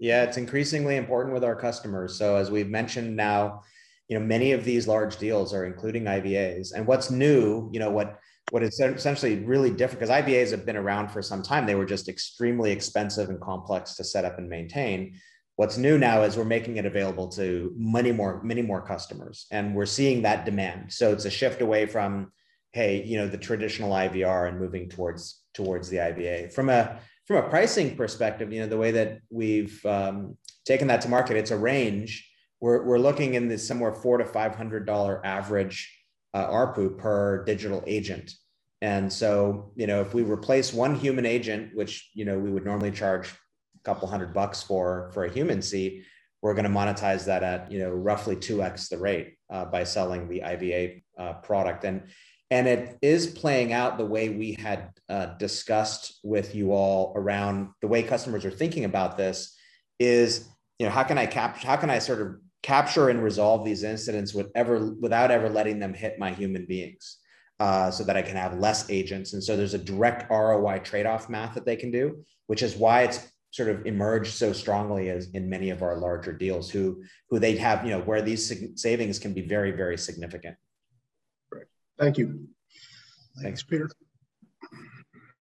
Yeah. It's increasingly important with our customers. As we've mentioned now, many of these large deals are including IVAs. What's new, what is essentially really different, because IVAs have been around for some time, they were just extremely expensive and complex to set up and maintain. What's new now is we're making it available to many more customers, and we're seeing that demand. It's a shift away from, hey, the traditional IVR and moving towards the IVA. From a pricing perspective, the way that we've taken that to market, it's a range. We're looking in the somewhere $400-$500 average ARPU per digital agent. If we replace one human agent, which we would normally charge a couple of hundred bucks for a human seat, we're going to monetize that at roughly 2x the rate by selling the IVA product. It is playing out the way we had discussed with you all around the way customers are thinking about this is, how can I sort of capture and resolve these incidents without ever letting them hit my human beings so that I can have less agents? There's a direct ROI trade-off math that they can do, which is why it's sort of emerged so strongly as in many of our larger deals, where these savings can be very, very significant. Great. Thank you. Thanks.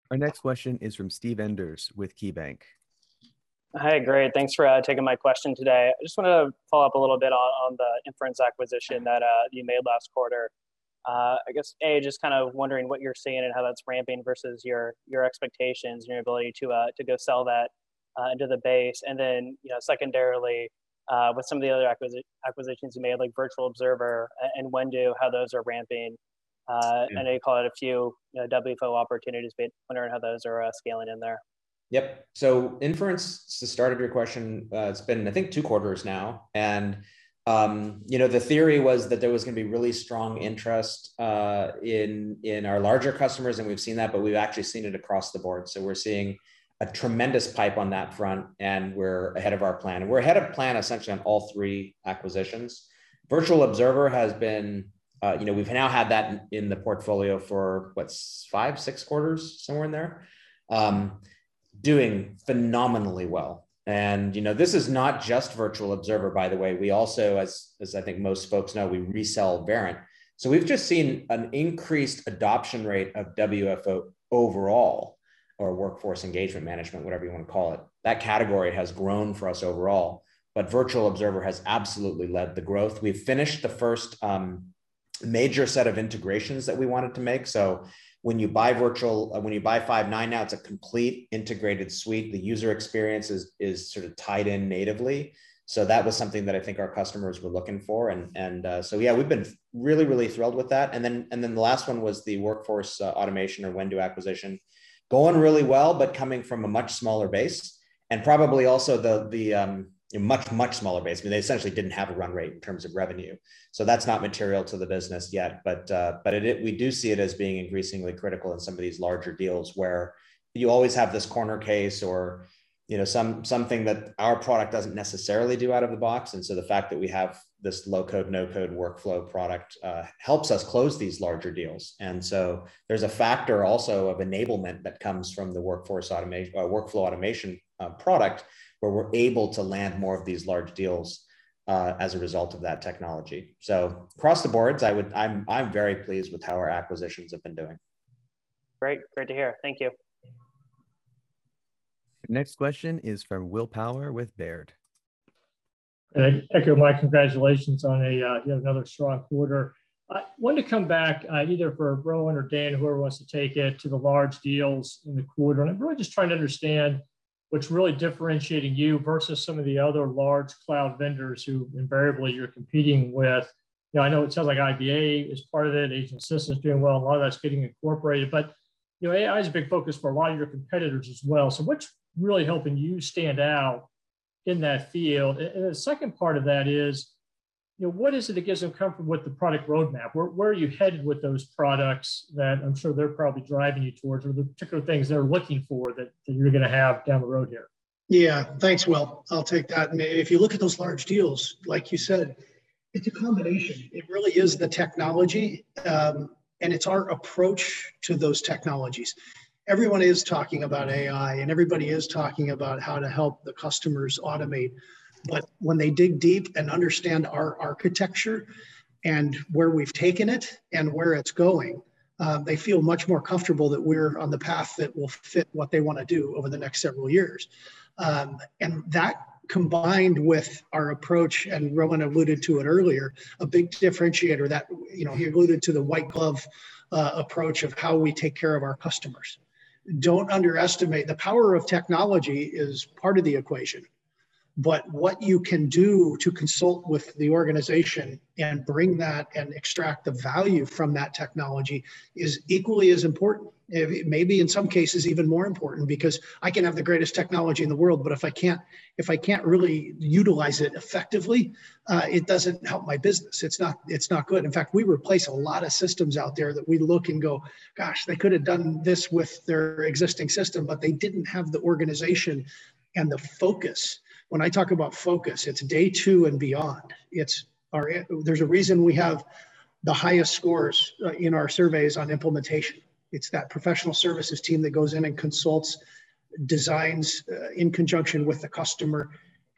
Our next question is from Steve Enders with KeyBanc. Hi. Great. Thanks for taking my question today. I just want to follow up a little bit on the Inference acquisition that you made last quarter. I guess, A, just wondering what you're seeing and how that's ramping versus your expectations and your ability to go sell that into the base. Then secondarily, with some of the other acquisitions you made, like Virtual Observer and Whendu those are ramping. I know you call it a few WFO opportunities, but wondering how those are scaling in there. Yep. Inference, to the start of your question, it's been, I think, two quarters now, and the theory was that there was going to be really strong interest in our larger customers, and we've seen that, but we've actually seen it across the board. We're seeing a tremendous pipe on that front, and we're ahead of our plan. We're ahead of plan, essentially, on all three acquisitions. Virtual Observer, we've now had that in the portfolio for what, five, six quarters, somewhere in there, doing phenomenally well. This is not just Virtual Observer, by the way. We also, as I think most folks know, we resell Verint. We've just seen an increased adoption rate of WFO overall, or Workforce Engagement Management, whatever you want to call it. That category has grown for us overall, Virtual Observer has absolutely led the growth. We've finished the first major set of integrations that we wanted to make. When you buy Five9 now, it's a complete integrated suite. The user experience is sort of tied in natively. That was something that I think our customers were looking for, we've been really thrilled with that. The last one was the workforce automation or Whendu acquisition. Going really well, coming from a much smaller base, probably also the much smaller base. They essentially didn't have a run rate in terms of revenue. That's not material to the business yet. We do see it as being increasingly critical in some of these larger deals where you always have this corner case or something that our product doesn't necessarily do out of the box. The fact that we have this low-code, no-code workflow product helps us close these larger deals. There's a factor also of enablement that comes from the workflow automation product, where we're able to land more of these large deals as a result of that technology. Across the boards, I'm very pleased with how our acquisitions have been doing. Great. Great to hear. Thank you. Next question is from Will Power with Baird. I echo my congratulations on another strong quarter. I wanted to come back, either for Rowan or Dan, whoever wants to take it, to the large deals in the quarter. I'm really just trying to understand what's really differentiating you versus some of the other large cloud vendors who invariably you're competing with. I know it sounds like IVA is part of it, Agent Assist is doing well, and a lot of that's getting incorporated. AI is a big focus for a lot of your competitors as well. What's really helping you stand out in that field? The second part of that is, what is it that gives them comfort with the product roadmap? Where are you headed with those products that I'm sure they're probably driving you towards, or the particular things they're looking for that you're going to have down the road here? Yeah. Thanks, Will. I'll take that. If you look at those large deals, like you said, it's a combination. It really is the technology, and it's our approach to those technologies. Everyone is talking about AI, and everybody is talking about how to help the customers automate. When they dig deep and understand our architecture and where we've taken it and where it's going, they feel much more comfortable that we're on the path that will fit what they want to do over the next several years. That, combined with our approach, and Rowan alluded to it earlier, a big differentiator that he alluded to the white glove approach of how we take care of our customers. Don't underestimate, the power of technology is part of the equation, but what you can do to consult with the organization and bring that and extract the value from that technology is equally as important, maybe in some cases even more important, because I can have the greatest technology in the world, but if I can't really utilize it effectively, it doesn't help my business. It's not good. In fact, we replace a lot of systems out there that we look and go, "Gosh, they could've done this with their existing system," but they didn't have the organization and the focus. When I talk about focus, it's day two and beyond. There's a reason we have the highest scores in our surveys on implementation. It's that professional services team that goes in and consults, designs in conjunction with the customer,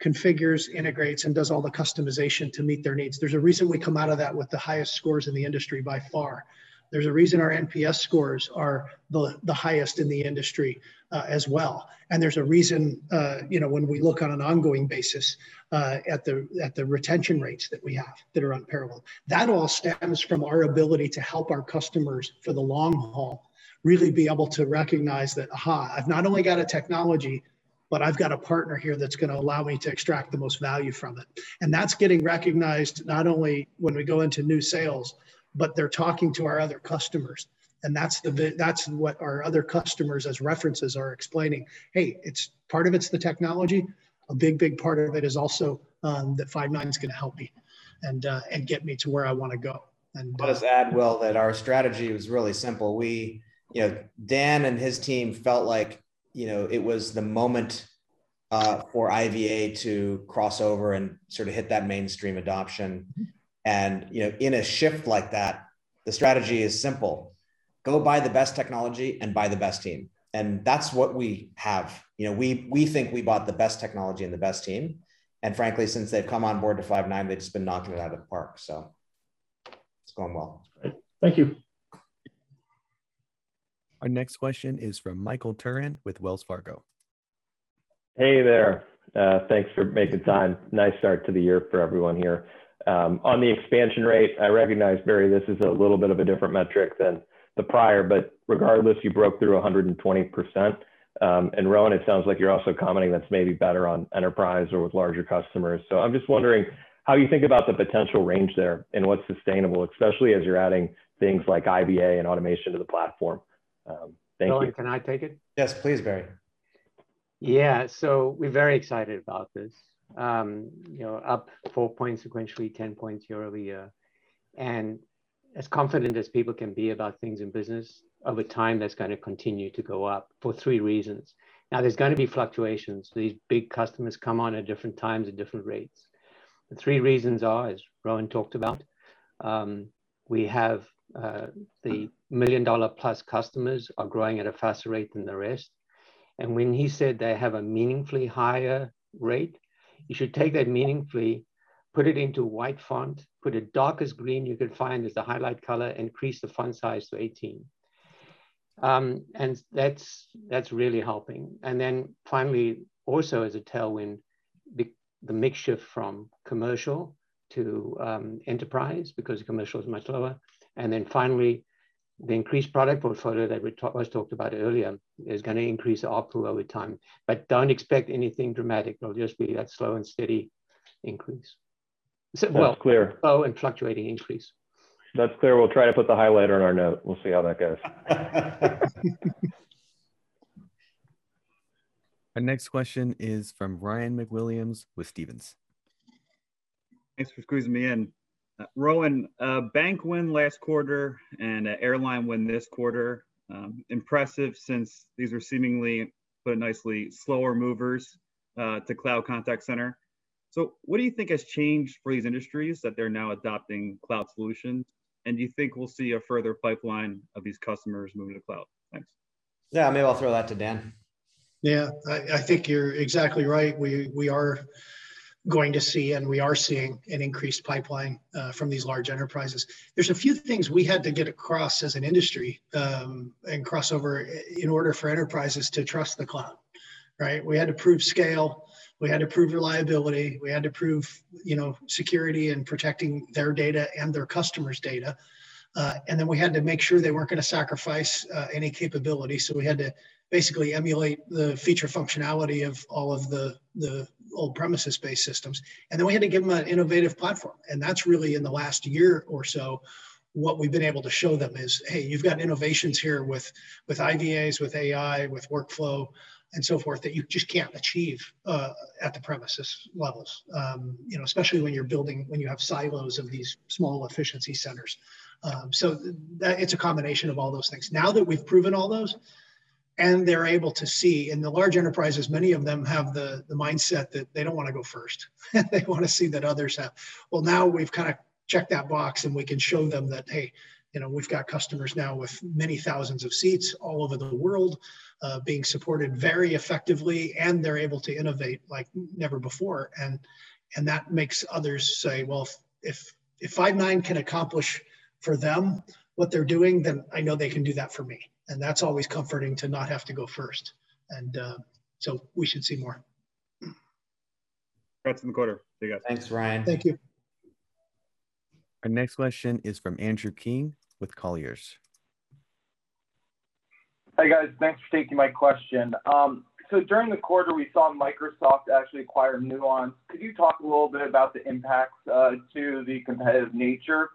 configures, integrates, and does all the customization to meet their needs. There's a reason we come out of that with the highest scores in the industry by far. There's a reason our NPS scores are the highest in the industry as well. There's a reason when we look on an ongoing basis at the retention rates that we have, that are unparalleled. That all stems from our ability to help our customers for the long haul really be able to recognize that, aha, I've not only got a technology, but I've got a partner here that's going to allow me to extract the most value from it. That's getting recognized not only when we go into new sales, but they're talking to our other customers, and that's what our other customers, as references, are explaining. "Hey, part of it's the technology. A big part of it is also that Five9's going to help me and get me to where I want to go. I will just add, Will, that our strategy was really simple. Dan and his team felt like it was the moment for IVA to cross over and hit that mainstream adoption. In a shift like that, the strategy is simple. Go buy the best technology and buy the best team. That's what we have. We think we bought the best technology and the best team, and frankly, since they've come on board to Five9, they've just been knocking it out of the park, so it's going well. Great. Thank you. Our next question is from Michael Turrin with Wells Fargo. Hey there. Thanks for making time. Nice start to the year for everyone here. On the expansion rate, I recognize, Barry, this is a little bit of a different metric than the prior. Regardless, you broke through 120%. Rowan, it sounds like you're also commenting that's maybe better on enterprise or with larger customers. I'm just wondering how you think about the potential range there and what's sustainable, especially as you're adding things like IVA and automation to the platform. Thank you. Rowan, can I take it? Yes, please, Barry. Yeah. We're very excited about this. Up four points sequentially, 10 points YoY. As confident as people can be about things in business, over time, that's going to continue to go up for three reasons. Now, there's going to be fluctuations. These big customers come on at different times at different rates. The three reasons are, as Rowan talked about, we have the million-dollar-plus customers are growing at a faster rate than the rest. When he said they have a meaningfully higher rate, you should take that meaningfully, put it into white font, put it darkest green you could find as the highlight color, increase the font size to 18. That's really helping. Then finally, also as a tailwind, the mix shift from commercial to enterprise because commercial is much lower. Finally, the increased product portfolio that was talked about earlier is going to increase the up-sell over time. Don't expect anything dramatic. It'll just be that slow and steady increase. Well- That's clear. fluctuating increase. That's clear. We'll try to put the highlighter on our note. We'll see how that goes. Our next question is from Ryan MacWilliams with Stephens. Thanks for squeezing me in. Rowan, a bank win last quarter and an airline win this quarter. Impressive, since these are seemingly, put it nicely, slower movers to cloud contact center. What do you think has changed for these industries that they're now adopting cloud solutions, and do you think we'll see a further pipeline of these customers moving to cloud? Thanks. Yeah, maybe I'll throw that to Dan. Yeah. I think you're exactly right. We are going to see, and we are seeing an increased pipeline from these large enterprises. There's a few things we had to get across as an industry, and crossover, in order for enterprises to trust the cloud. We had to prove scale, we had to prove reliability, we had to prove security in protecting their data and their customers' data, and then we had to make sure they weren't going to sacrifice any capability. We had to basically emulate the feature functionality of all of the old premises-based systems, and then we had to give them an innovative platform. That's really in the last year or so, what we've been able to show them is, hey, you've got innovations here with IVAs, with AI, with workflow and so forth, that you just can't achieve at the premises levels. Especially when you have silos of these small efficiency centers. It's a combination of all those things. Now that we've proven all those and they're able to see, in the large enterprises, many of them have the mindset that they don't want to go first. They want to see that others have. Well, now we've kind of checked that box and we can show them that, hey, we've got customers now with many thousands of seats all over the world, being supported very effectively, and they're able to innovate like never before. That makes others say, well, if Five9 can accomplish for them what they're doing, then I know they can do that for me. That's always comforting to not have to go first. We should see more. Congrats on the quarter. See you guys. Thanks, Ryan. Thank you. Our next question is from Andrew King with Colliers. Hey, guys. Thanks for taking my question. During the quarter, we saw Microsoft actually acquire Nuance. Could you talk a little bit about the impacts to the competitive nature?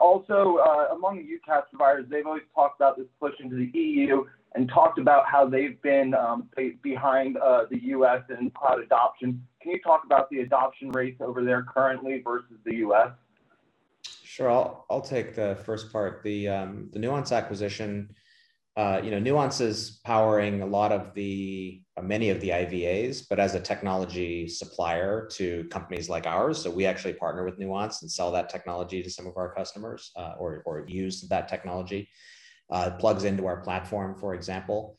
Also, among U.K. suppliers, they've always talked about this push into the EU and talked about how they've been behind the U.S. in cloud adoption. Can you talk about the adoption rates over there currently versus the U.S.? Sure. I'll take the first part. The Nuance acquisition, Nuance is powering many of the IVAs, but as a technology supplier to companies like ours. We actually partner with Nuance and sell that technology to some of our customers, or use that technology. It plugs into our platform, for example.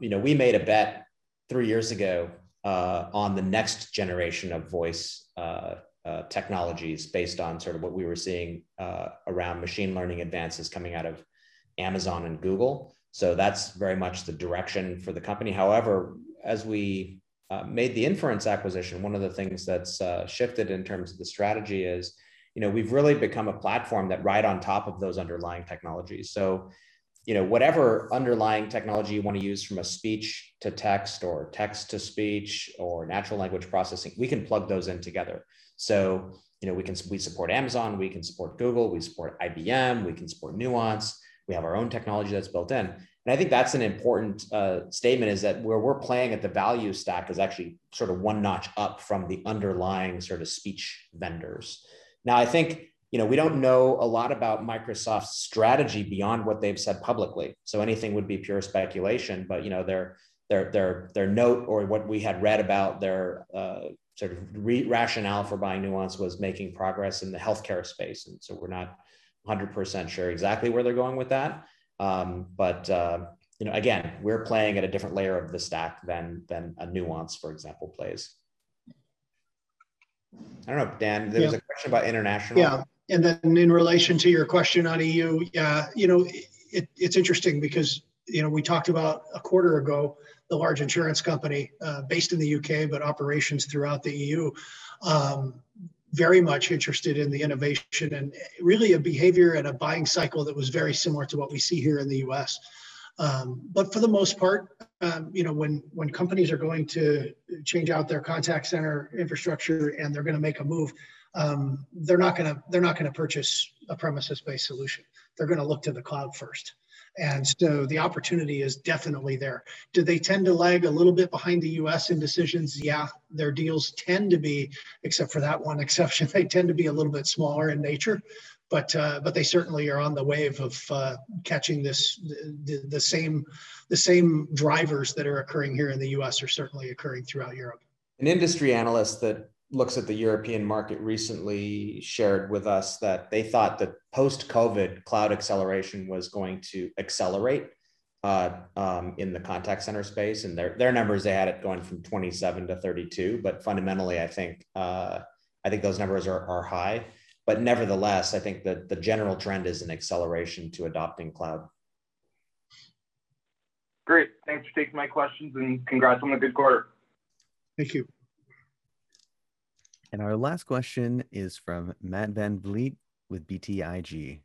We made a bet three years ago, on the next generation of voice technologies based on sort of what we were seeing around machine learning advances coming out of Amazon and Google. That's very much the direction for the company. However, as we made the Inference acquisition, one of the things that's shifted in terms of the strategy is we've really become a platform that ride on top of those underlying technologies. Whatever underlying technology you want to use from a speech-to-text or text-to-speech or natural language processing, we can plug those in together. We support Amazon, we can support Google, we support IBM, we can support Nuance. We have our own technology that's built in. I think that's an important statement is that where we're playing at the value stack is actually sort of one notch up from the underlying sort of speech vendors. I think we don't know a lot about Microsoft's strategy beyond what they've said publicly, so anything would be pure speculation. Their note or what we had read about their sort of rationale for buying Nuance was making progress in the healthcare space, and so we're not 100% sure exactly where they're going with that. Again, we're playing at a different layer of the stack than a Nuance, for example, plays. I don't know. Dan, there was a question about international. In relation to your question on EU, it's interesting because we talked about a quarter ago, the large insurance company, based in the U.K., but operations throughout the EU, very much interested in the innovation and really a behavior and a buying cycle that was very similar to what we see here in the U.S. For the most part, when companies are going to change out their contact center infrastructure and they're going to make a move, they're not going to purchase a premises-based solution. They're going to look to the cloud first. The opportunity is definitely there. Do they tend to lag a little bit behind the U.S. in decisions? Their deals tend to be, except for that one exception, they tend to be a little bit smaller in nature. They certainly are on the wave of catching the same drivers that are occurring here in the U.S. are certainly occurring throughout Europe. An industry analyst that looks at the European market recently shared with us that they thought that post-COVID cloud acceleration was going to accelerate in the contact center space, and their numbers, they had it going from 27-32. Fundamentally, I think those numbers are high. Nevertheless, I think that the general trend is an acceleration to adopting cloud. Great. Thanks for taking my questions and congrats on the good quarter. Thank you. Our last question is from Matt VanVliet with BTIG.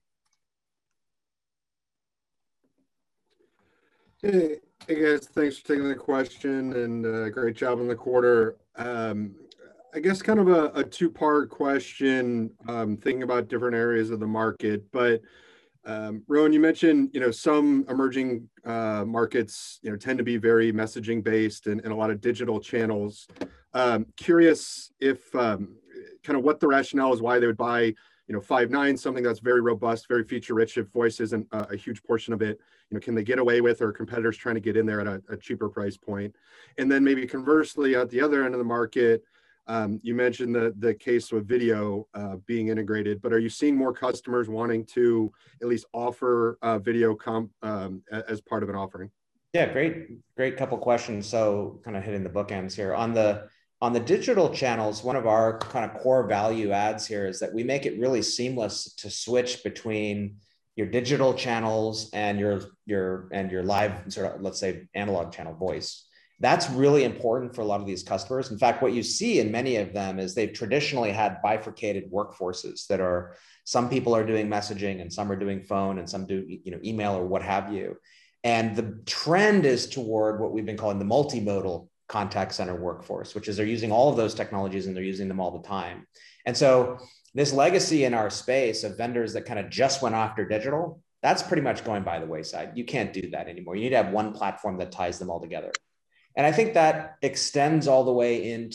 Hey guys, thanks for taking the question and great job on the quarter. I guess kind of a two-part question, thinking about different areas of the market. Rowan, you mentioned some emerging markets tend to be very messaging based and a lot of digital channels. Curious what the rationale is why they would buy Five9, something that's very robust, very feature rich if voice isn't a huge portion of it. Can they get away with are competitors trying to get in there at a cheaper price point? Maybe conversely, at the other end of the market, you mentioned the case with video being integrated, but are you seeing more customers wanting to at least offer video comm as part of an offering? Yeah, great couple questions, so hitting the bookends here. On the digital channels, one of our core value adds here is that we make it really seamless to switch between your digital channels and your live, let's say analog channel voice. That's really important for a lot of these customers. In fact, what you see in many of them is they've traditionally had bifurcated workforces that are some people are doing messaging and some are doing phone and some do email or what have you. The trend is toward what we've been calling the multimodal contact center workforce, which is they're using all of those technologies and they're using them all the time. This legacy in our space of vendors that just went after digital, that's pretty much going by the wayside. You can't do that anymore. You need to have one platform that ties them all together. I think that extends all the way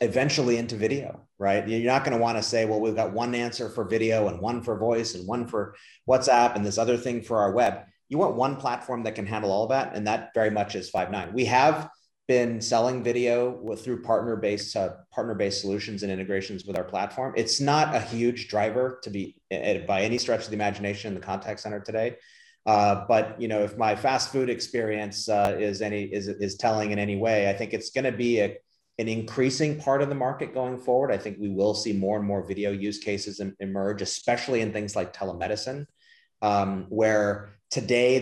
eventually into video, right? You're not going to want to say, well, we've got one answer for video and one for voice and one for WhatsApp and this other thing for our web. You want one platform that can handle all of that, and that very much is Five9. We have been selling video through partner-based solutions and integrations with our platform. It's not a huge driver by any stretch of the imagination in the contact center today. If my fast food experience is telling in any way, I think it's going to be an increasing part of the market going forward. I think we will see more and more video use cases emerge, especially in things like telemedicine, where today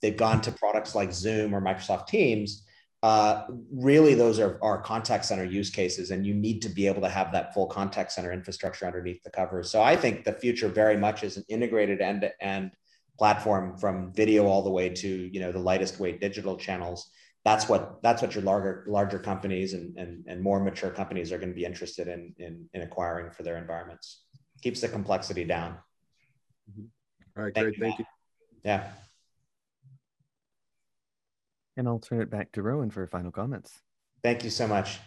they've gone to products like Zoom or Microsoft Teams. Those are contact center use cases and you need to be able to have that full contact center infrastructure underneath the covers. I think the future very much is an integrated end-to-end platform from video all the way to the lightest weight digital channels. That's what your larger companies and more mature companies are going to be interested in acquiring for their environments. Keeps the complexity down. All right. Great. Thank you. Yeah. I'll turn it back to Rowan for final comments. Thank you so much.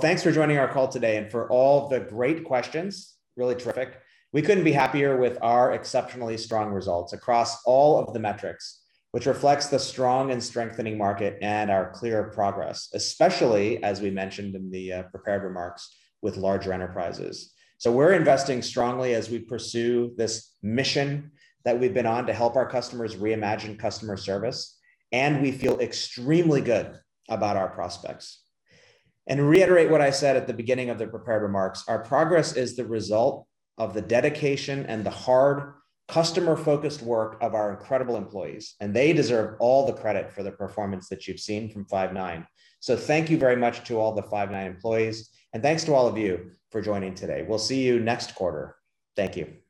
Thanks for joining our call today and for all the great questions. Really terrific. We couldn't be happier with our exceptionally strong results across all of the metrics, which reflects the strong and strengthening market and our clear progress, especially as we mentioned in the prepared remarks with larger enterprises. We're investing strongly as we pursue this mission that we've been on to help our customers reimagine customer service, and we feel extremely good about our prospects. Reiterate what I said at the beginning of the prepared remarks, our progress is the result of the dedication and the hard customer-focused work of our incredible employees, and they deserve all the credit for the performance that you've seen from Five9. Thank you very much to all the Five9 employees, and thanks to all of you for joining today. We'll see you next quarter. Thank you.